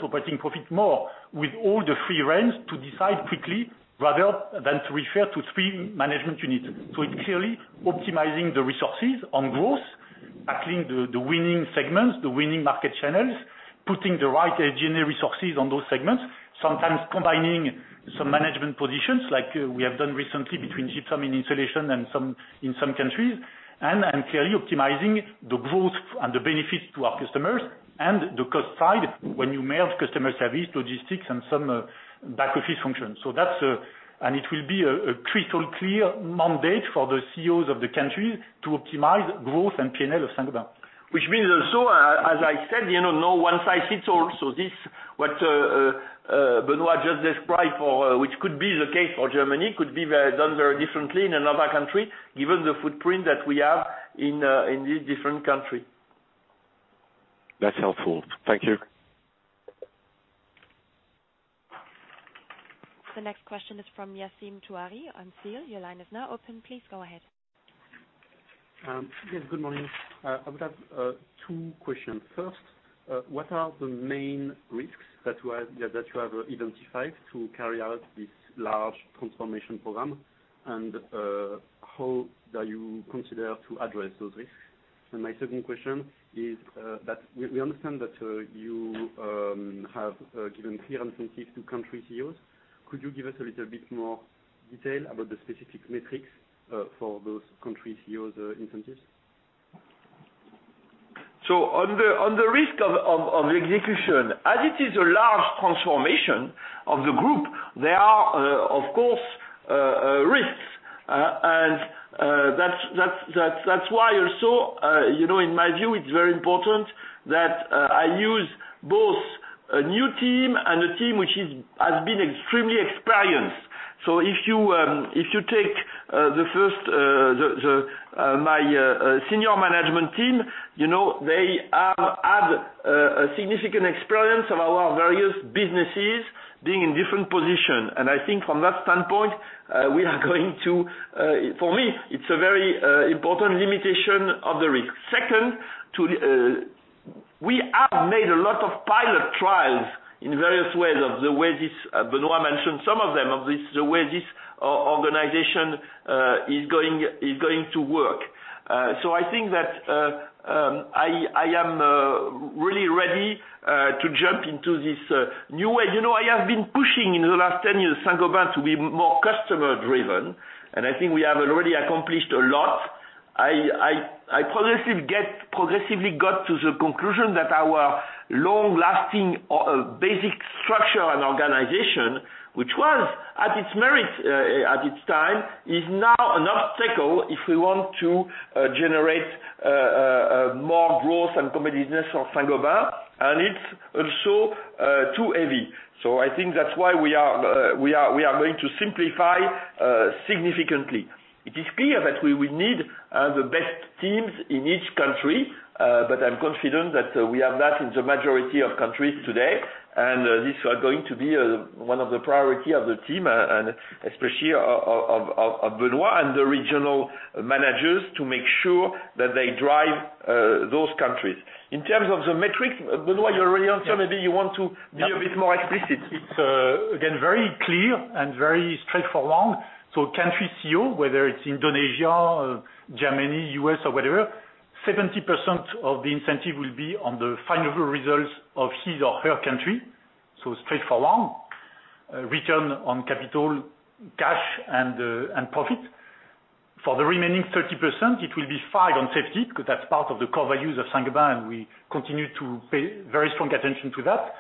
operating profit more with all the free reins to decide quickly rather than to refer to three management units. It is clearly optimizing the resources on growth, tackling the winning segments, the winning market channels, putting the right engineering resources on those segments, sometimes combining some management positions like we have done recently between Gypsum and insulation in some countries, and clearly optimizing the growth and the benefits to our customers and the cost side when you merge customer service, logistics, and some back-office functions. It will be a crystal clear mandate for the CEOs of the countries to optimize growth and P&L of Saint-Gobain. Which means also, as I said, no one size fits all. This, what Benoit just described, which could be the case for Germany, could be done very differently in another country given the footprint that we have in these different countries. That's helpful. Thank you. The next question is from Yassine Touareg on CIEL. Your line is now open. Please go ahead. Yes, good morning. I would have two questions. First, what are the main risks that you have identified to carry out this large transformation program, and how do you consider to address those risks? My second question is that we understand that you have given clear incentives to country CEOs. Could you give us a little bit more detail about the specific metrics for those country CEOs' incentives? On the risk of execution, as it is a large transformation of the group, there are, of course, risks. That is why also, in my view, it is very important that I use both a new team and a team which has been extremely experienced. If you take the first, my senior management team, they have had significant experience of our various businesses being in different positions. I think from that standpoint, we are going to, for me, it is a very important limitation of the risk. Second, we have made a lot of pilot trials in various ways of the way this, Benoit mentioned some of them, of the way this organization is going to work. I think that I am really ready to jump into this new way. I have been pushing in the last 10 years Saint-Gobain to be more customer-driven, and I think we have already accomplished a lot. I progressively got to the conclusion that our long-lasting basic structure and organization, which was at its merit at its time, is now an obstacle if we want to generate more growth and competitiveness for Saint-Gobain, and it is also too heavy. I think that is why we are going to simplify significantly. It is clear that we will need the best teams in each country, but I am confident that we have that in the majority of countries today. These are going to be one of the priorities of the team, and especially of Benoit and the regional managers to make sure that they drive those countries. In terms of the metrics, Benoit, you already answered. Maybe you want to be a bit more explicit. It's again very clear and very straightforward. Country CEO, whether it's Indonesia, Germany, US, or whatever, 70% of the incentive will be on the final results of his or her country. Straightforward, return on capital, cash, and profit. For the remaining 30%, it will be 5% on safety because that's part of the core values of Saint-Gobain, and we continue to pay very strong attention to that.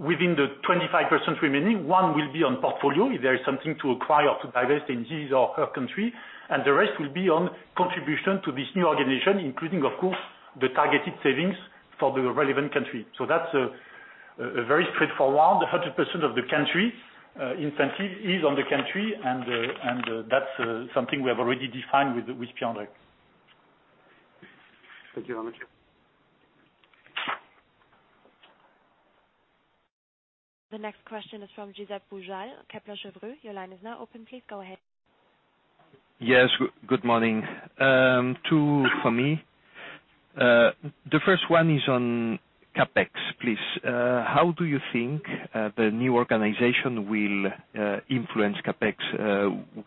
Within the 25% remaining, 1% will be on portfolio if there is something to acquire or to divest in his or her country. The rest will be on contribution to this new organization, including, of course, the targeted savings for the relevant country. That's very straightforward. 100% of the country incentive is on the country, and that's something we have already defined with Pierre-André. Thank you very much. The next question is from Josep Pujal, Kepler Cheuvreux. Your line is now open. Please go ahead. Yes, good morning. Two for me. The first one is on CapEx, please. How do you think the new organization will influence CapEx?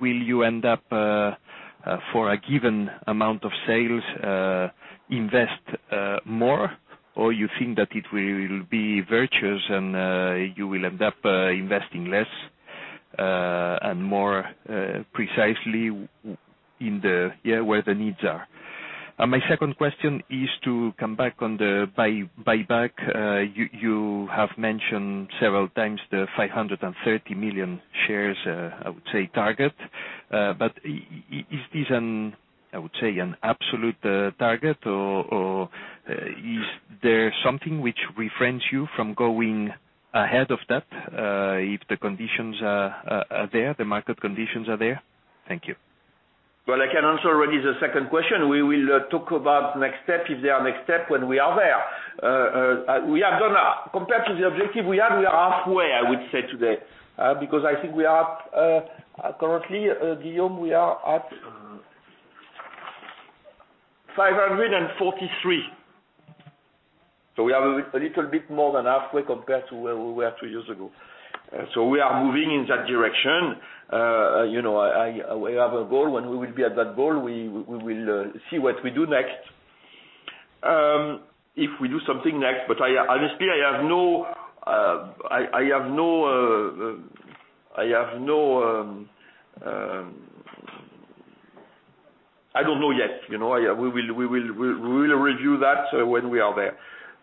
Will you end up, for a given amount of sales, invest more, or you think that it will be virtuous and you will end up investing less and more precisely where the needs are? My second question is to come back on the buyback. You have mentioned several times the 530 million shares, I would say, target. Is this, I would say, an absolute target, or is there something which refrains you from going ahead of that if the conditions are there, the market conditions are there? Thank you. I can answer already the second question. We will talk about next step, if there are next steps, when we are there. Compared to the objective we had, we are halfway, I would say, today, because I think we are currently, Guillaume, we are at 543. So we are a little bit more than halfway compared to where we were two years ago. We are moving in that direction. We have a goal. When we will be at that goal, we will see what we do next, if we do something next. Honestly, I have no—I do not know yet. We will review that when we are there.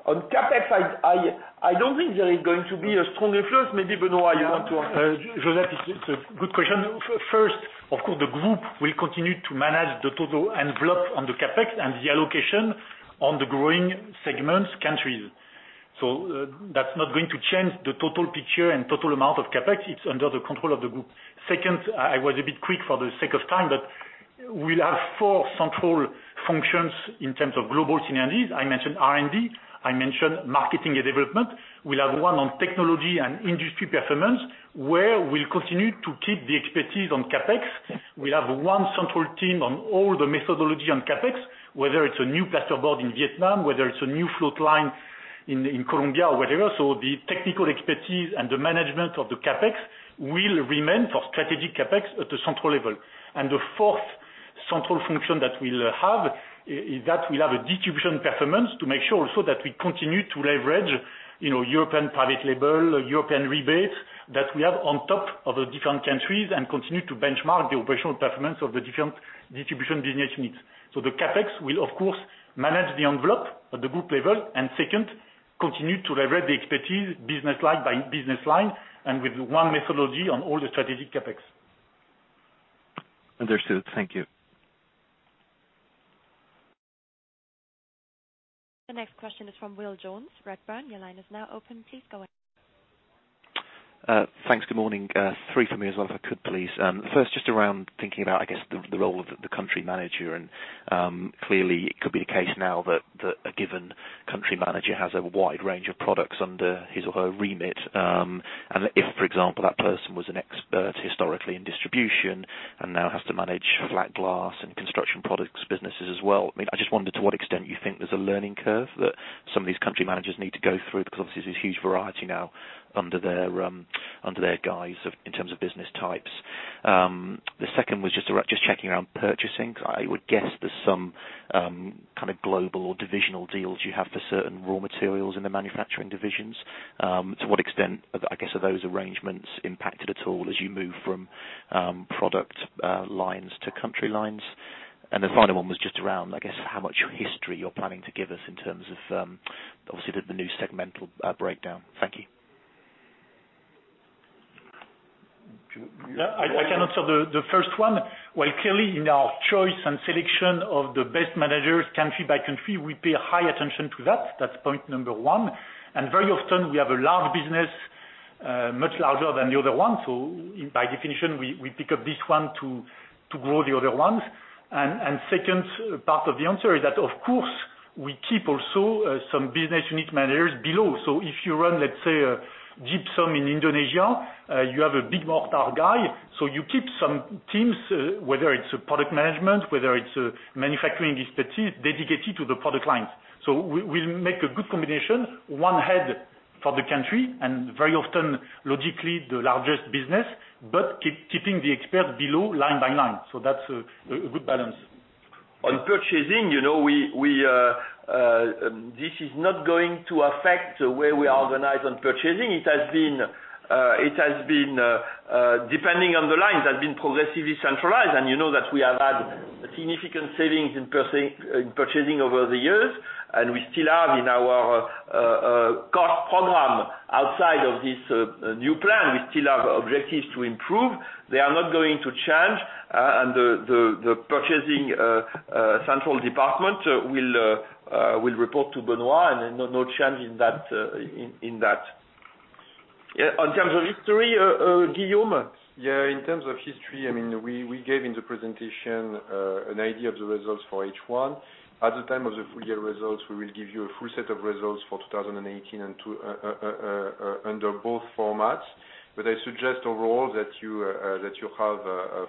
On CapEx, I do not think there is going to be a strong influence. Maybe, Benoit, you want to answer? Joseph, it's a good question. First, of course, the group will continue to manage the total envelope on the CapEx and the allocation on the growing segments, countries. That's not going to change the total picture and total amount of CapEx. It's under the control of the group. Second, I was a bit quick for the sake of time, but we'll have four central functions in terms of global synergies. I mentioned R&D. I mentioned marketing and development. We'll have one on technology and industry performance, where we'll continue to keep the expertise on CapEx. We'll have one central team on all the methodology on CapEx, whether it's a new plasterboard in Vietnam, whether it's a new float line in Colombia, or whatever. The technical expertise and the management of the CapEx will remain for strategic CapEx at the central level. The fourth central function that we'll have is that we'll have a distribution performance to make sure also that we continue to leverage European private label, European rebates that we have on top of the different countries and continue to benchmark the operational performance of the different distribution business units. The CapEx will, of course, manage the envelope at the group level and, second, continue to leverage the expertise business line by business line and with one methodology on all the strategic CapEx. Understood. Thank you. The next question is from Will Jones, Redburn. Your line is now open. Please go ahead. Thanks. Good morning. Three for me as well, if I could, please. First, just around thinking about, I guess, the role of the country manager. Clearly, it could be the case now that a given country manager has a wide range of products under his or her remit. If, for example, that person was an expert historically in distribution and now has to manage flat glass and construction products businesses as well, I just wondered to what extent you think there's a learning curve that some of these country managers need to go through because, obviously, there's huge variety now under their guise in terms of business types. The second was just checking around purchasing. I would guess there's some kind of global or divisional deals you have for certain raw materials in the manufacturing divisions. To what extent, I guess, are those arrangements impacted at all as you move from product lines to country lines? The final one was just around, I guess, how much history you're planning to give us in terms of, obviously, the new segmental breakdown. Thank you. I can answer the first one. Clearly, in our choice and selection of the best managers country by country, we pay high attention to that. That's point number one. Very often, we have a large business, much larger than the other one. By definition, we pick up this one to grow the other ones. The second part of the answer is that, of course, we keep also some business unit managers below. If you run, let's say, gypsum in Indonesia, you have a big mortar guy. You keep some teams, whether it's product management, whether it's manufacturing expertise dedicated to the product lines. We make a good combination, one head for the country and very often, logically, the largest business, but keeping the experts below line by line. That's a good balance. On purchasing, this is not going to affect the way we organize on purchasing. It has been, depending on the line, it has been progressively centralized. You know that we have had significant savings in purchasing over the years. We still have in our cost program outside of this new plan. We still have objectives to improve. They are not going to change. The purchasing central department will report to Benoit, and no change in that. On terms of history, Guillaume? Yeah. In terms of history, I mean, we gave in the presentation an idea of the results for each one. At the time of the full year results, we will give you a full set of results for 2018 under both formats. I suggest overall that you have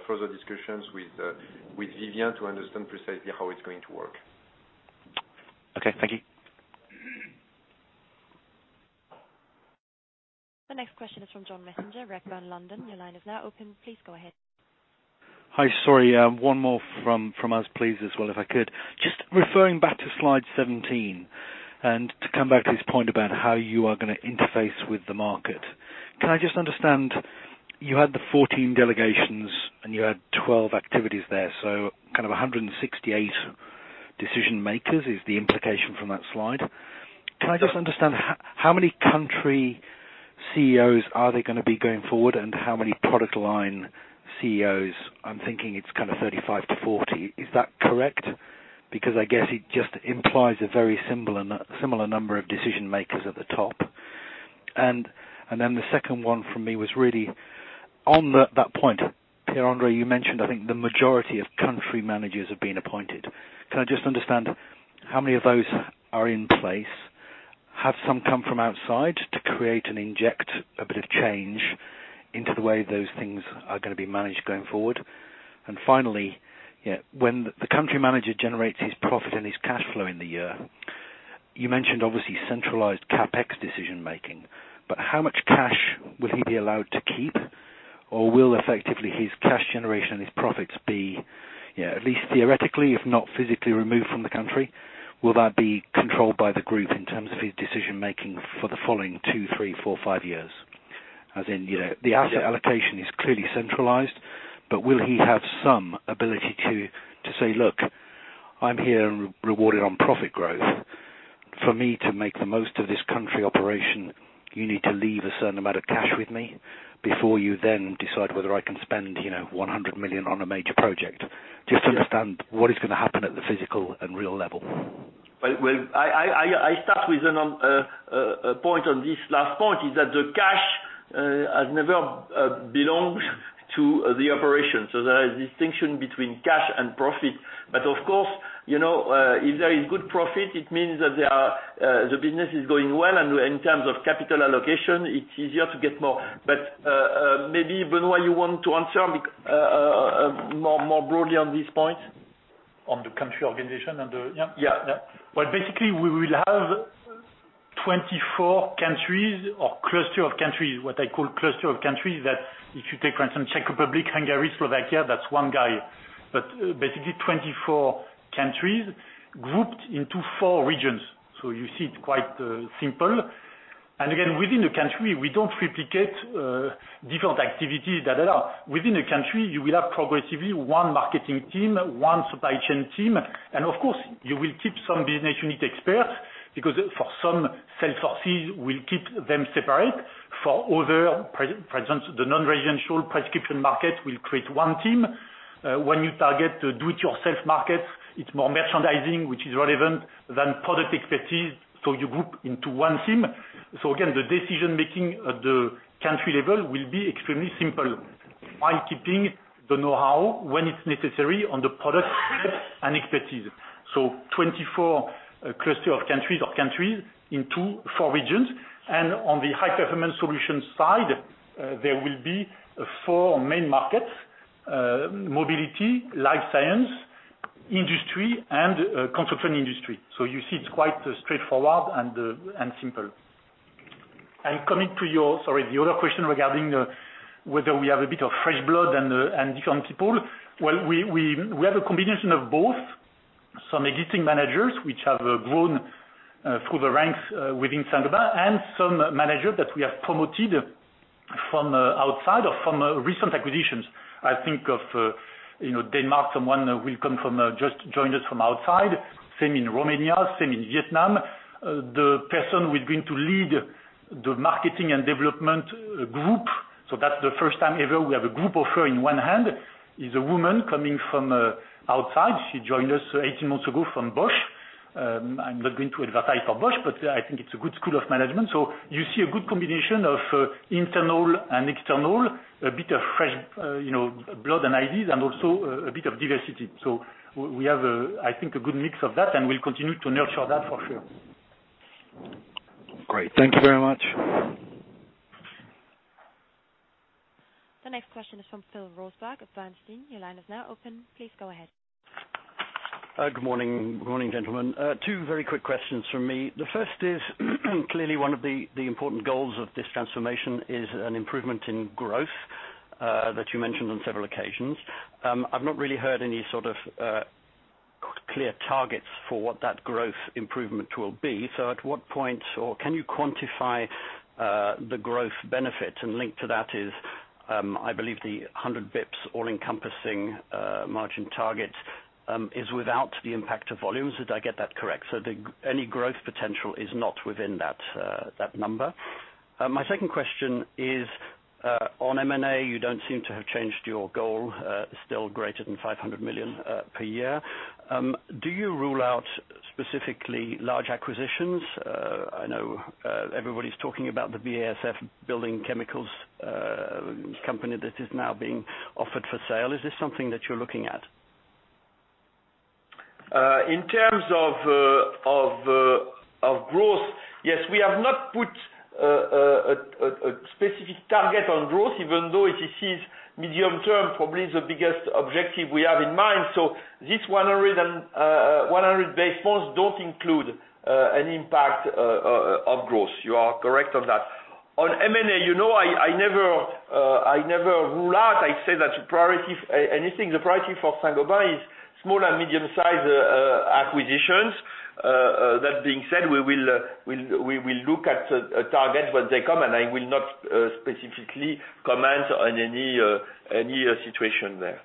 further discussions with Vivien to understand precisely how it's going to work. Okay. Thank you. The next question is from John Messenger, Redburn, London. Your line is now open. Please go ahead. Hi. Sorry. One more from us, please, as well, if I could. Just referring back to slide 17 and to come back to this point about how you are going to interface with the market. Can I just understand you had the 14 delegations and you had 12 activities there. So kind of 168 decision-makers is the implication from that slide. Can I just understand how many country CEOs are they going to be going forward and how many product line CEOs? I'm thinking it's kind of 35 to 40. Is that correct? Because I guess it just implies a very similar number of decision-makers at the top. The second one from me was really on that point. Pierre-André, you mentioned, I think, the majority of country managers have been appointed. Can I just understand how many of those are in place? Have some come from outside to create and inject a bit of change into the way those things are going to be managed going forward? Finally, when the country manager generates his profit and his cash flow in the year, you mentioned, obviously, centralized CapEx decision-making. How much cash will he be allowed to keep, or will effectively his cash generation and his profits be, at least theoretically, if not physically removed from the country? Will that be controlled by the group in terms of his decision-making for the following two, three, four, five years? As in, the asset allocation is clearly centralized, but will he have some ability to say, "Look, I'm here and rewarded on profit growth. For me to make the most of this country operation, you need to leave a certain amount of cash with me before you then decide whether I can spend $100 million on a major project? Just to understand what is going to happen at the physical and real level. I start with a point on this last point, is that the cash has never belonged to the operation. So there is distinction between cash and profit. Of course, if there is good profit, it means that the business is going well. In terms of capital allocation, it's easier to get more. Maybe, Benoit, you want to answer more broadly on this point? On the country organization and the yeah? Yeah. Yeah. Basically, we will have 24 countries or cluster of countries, what I call cluster of countries, that if you take, for instance, Czech Republic, Hungary, Slovakia, that's one guy. Basically, 24 countries grouped into four regions. You see it's quite simple. Again, within the country, we don't replicate different activities that are within a country. You will have progressively one marketing team, one supply chain team. Of course, you will keep some business unit experts because for some sales forces, we'll keep them separate. For other, for instance, the non-residential prescription market, we'll create one team. When you target the do-it-yourself markets, it's more merchandising, which is relevant than product expertise. You group into one team. Again, the decision-making at the country level will be extremely simple while keeping the know-how when it's necessary on the product and expertise. are 24 clusters of countries or countries into four regions. On the high-performance solutions side, there will be four main markets: mobility, life science, industry, and construction industry. You see it is quite straightforward and simple. Coming to your, sorry, the other question regarding whether we have a bit of fresh blood and different people. We have a combination of both, some existing managers which have grown through the ranks within Saint-Gobain, and some managers that we have promoted from outside or from recent acquisitions. I think of Denmark, someone will come from just joining us from outside, same in Romania, same in Vietnam. The person who is going to lead the marketing and development group, so that is the first time ever we have a group offer in one hand, is a woman coming from outside. She joined us 18 months ago from Bosch. I'm not going to advertise for Bosch, but I think it's a good school of management. You see a good combination of internal and external, a bit of fresh blood and ideas, and also a bit of diversity. We have, I think, a good mix of that, and we'll continue to nurture that for sure. Great. Thank you very much. The next question is from Phil Roseberg of Bernstein. Your line is now open. Please go ahead. Good morning. Good morning, gentlemen. Two very quick questions from me. The first is, clearly, one of the important goals of this transformation is an improvement in growth that you mentioned on several occasions. I've not really heard any sort of clear targets for what that growth improvement will be. At what point, or can you quantify the growth benefit? Linked to that is, I believe, the 100 basis points all-encompassing margin target is without the impact of volumes. Did I get that correct? Any growth potential is not within that number. My second question is, on M&A, you don't seem to have changed your goal, still greater than 500 million per year. Do you rule out specifically large acquisitions? I know everybody's talking about the BASF building chemicals company that is now being offered for sale. Is this something that you're looking at? In terms of growth, yes, we have not put a specific target on growth, even though it is medium-term, probably the biggest objective we have in mind. These 100 basis points do not include an impact of growth. You are correct on that. On M&A, I never rule out. I say that anything. The priority for Saint-Gobain is small and medium-sized acquisitions. That being said, we will look at targets when they come, and I will not specifically comment on any situation there.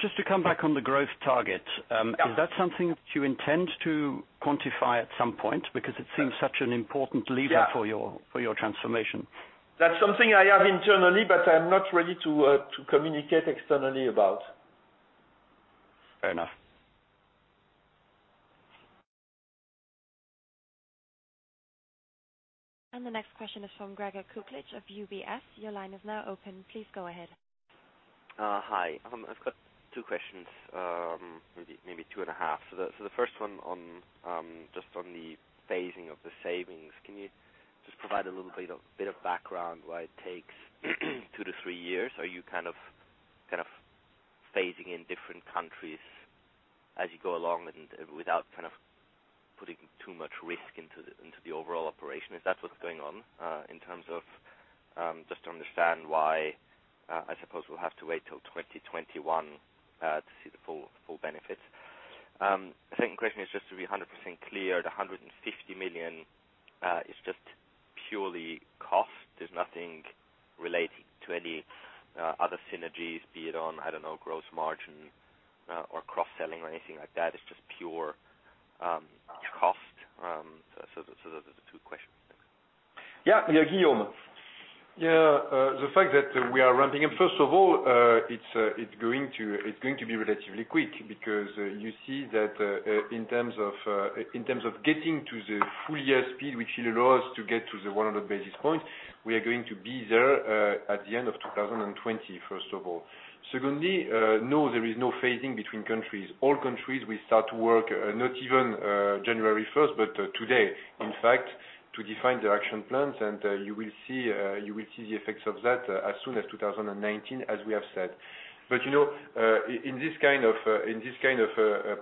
Just to come back on the growth target, is that something that you intend to quantify at some point? Because it seems such an important lever for your transformation. That's something I have internally, but I'm not ready to communicate externally about. Fair enough. The next question is from Gregor Kuklich of UBS. Your line is now open. Please go ahead. Hi. I've got two questions, maybe two and a half. The first one, just on the phasing of the savings. Can you just provide a little bit of background why it takes two to three years? Are you kind of phasing in different countries as you go along without kind of putting too much risk into the overall operation? Is that what's going on in terms of just to understand why I suppose we'll have to wait till 2021 to see the full benefits? The second question is just to be 100% clear. The 150 million is just purely cost. There's nothing related to any other synergies, be it on, I don't know, gross margin or cross-selling or anything like that. It's just pure cost. Those are the two questions. Yeah. Yeah, Guillaume. Yeah. The fact that we are ramping up, first of all, it's going to be relatively quick because you see that in terms of getting to the full year speed, which will allow us to get to the 100 basis points, we are going to be there at the end of 2020, first of all. Secondly, no, there is no phasing between countries. All countries will start to work, not even January 1, but today, in fact, to define their action plans. You will see the effects of that as soon as 2019, as we have said. In this kind of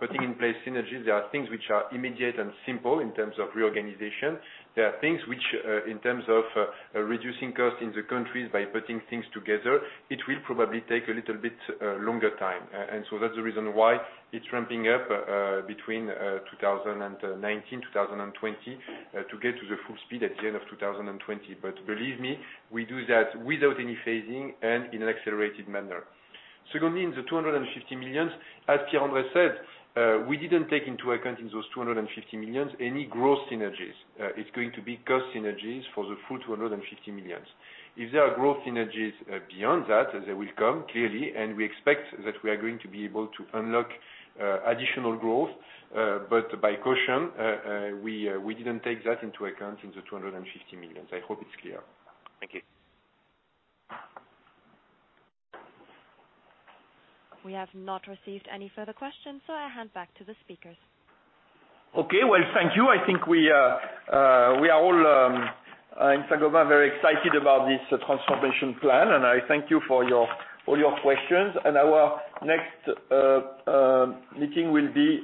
putting in place synergies, there are things which are immediate and simple in terms of reorganization. There are things which, in terms of reducing costs in the countries by putting things together, it will probably take a little bit longer time. That is the reason why it is ramping up between 2019, 2020, to get to full speed at the end of 2020. Believe me, we do that without any phasing and in an accelerated manner. Secondly, in the 250 million, as Pierre-André said, we did not take into account in those 250 million any growth synergies. It is going to be cost synergies for the full 250 million. If there are growth synergies beyond that, they will come, clearly. We expect that we are going to be able to unlock additional growth. By caution, we did not take that into account in the 250 million. I hope it is clear. Thank you. We have not received any further questions, so I'll hand back to the speakers. Thank you. I think we are all in Saint-Gobain very excited about this transformation plan. I thank you for all your questions. Our next meeting will be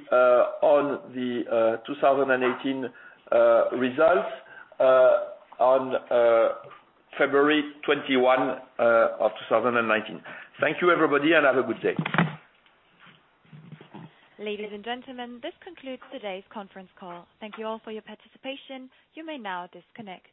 on the 2018 results on February 21 of 2019. Thank you, everybody, and have a good day. Ladies and gentlemen, this concludes today's conference call. Thank you all for your participation. You may now disconnect.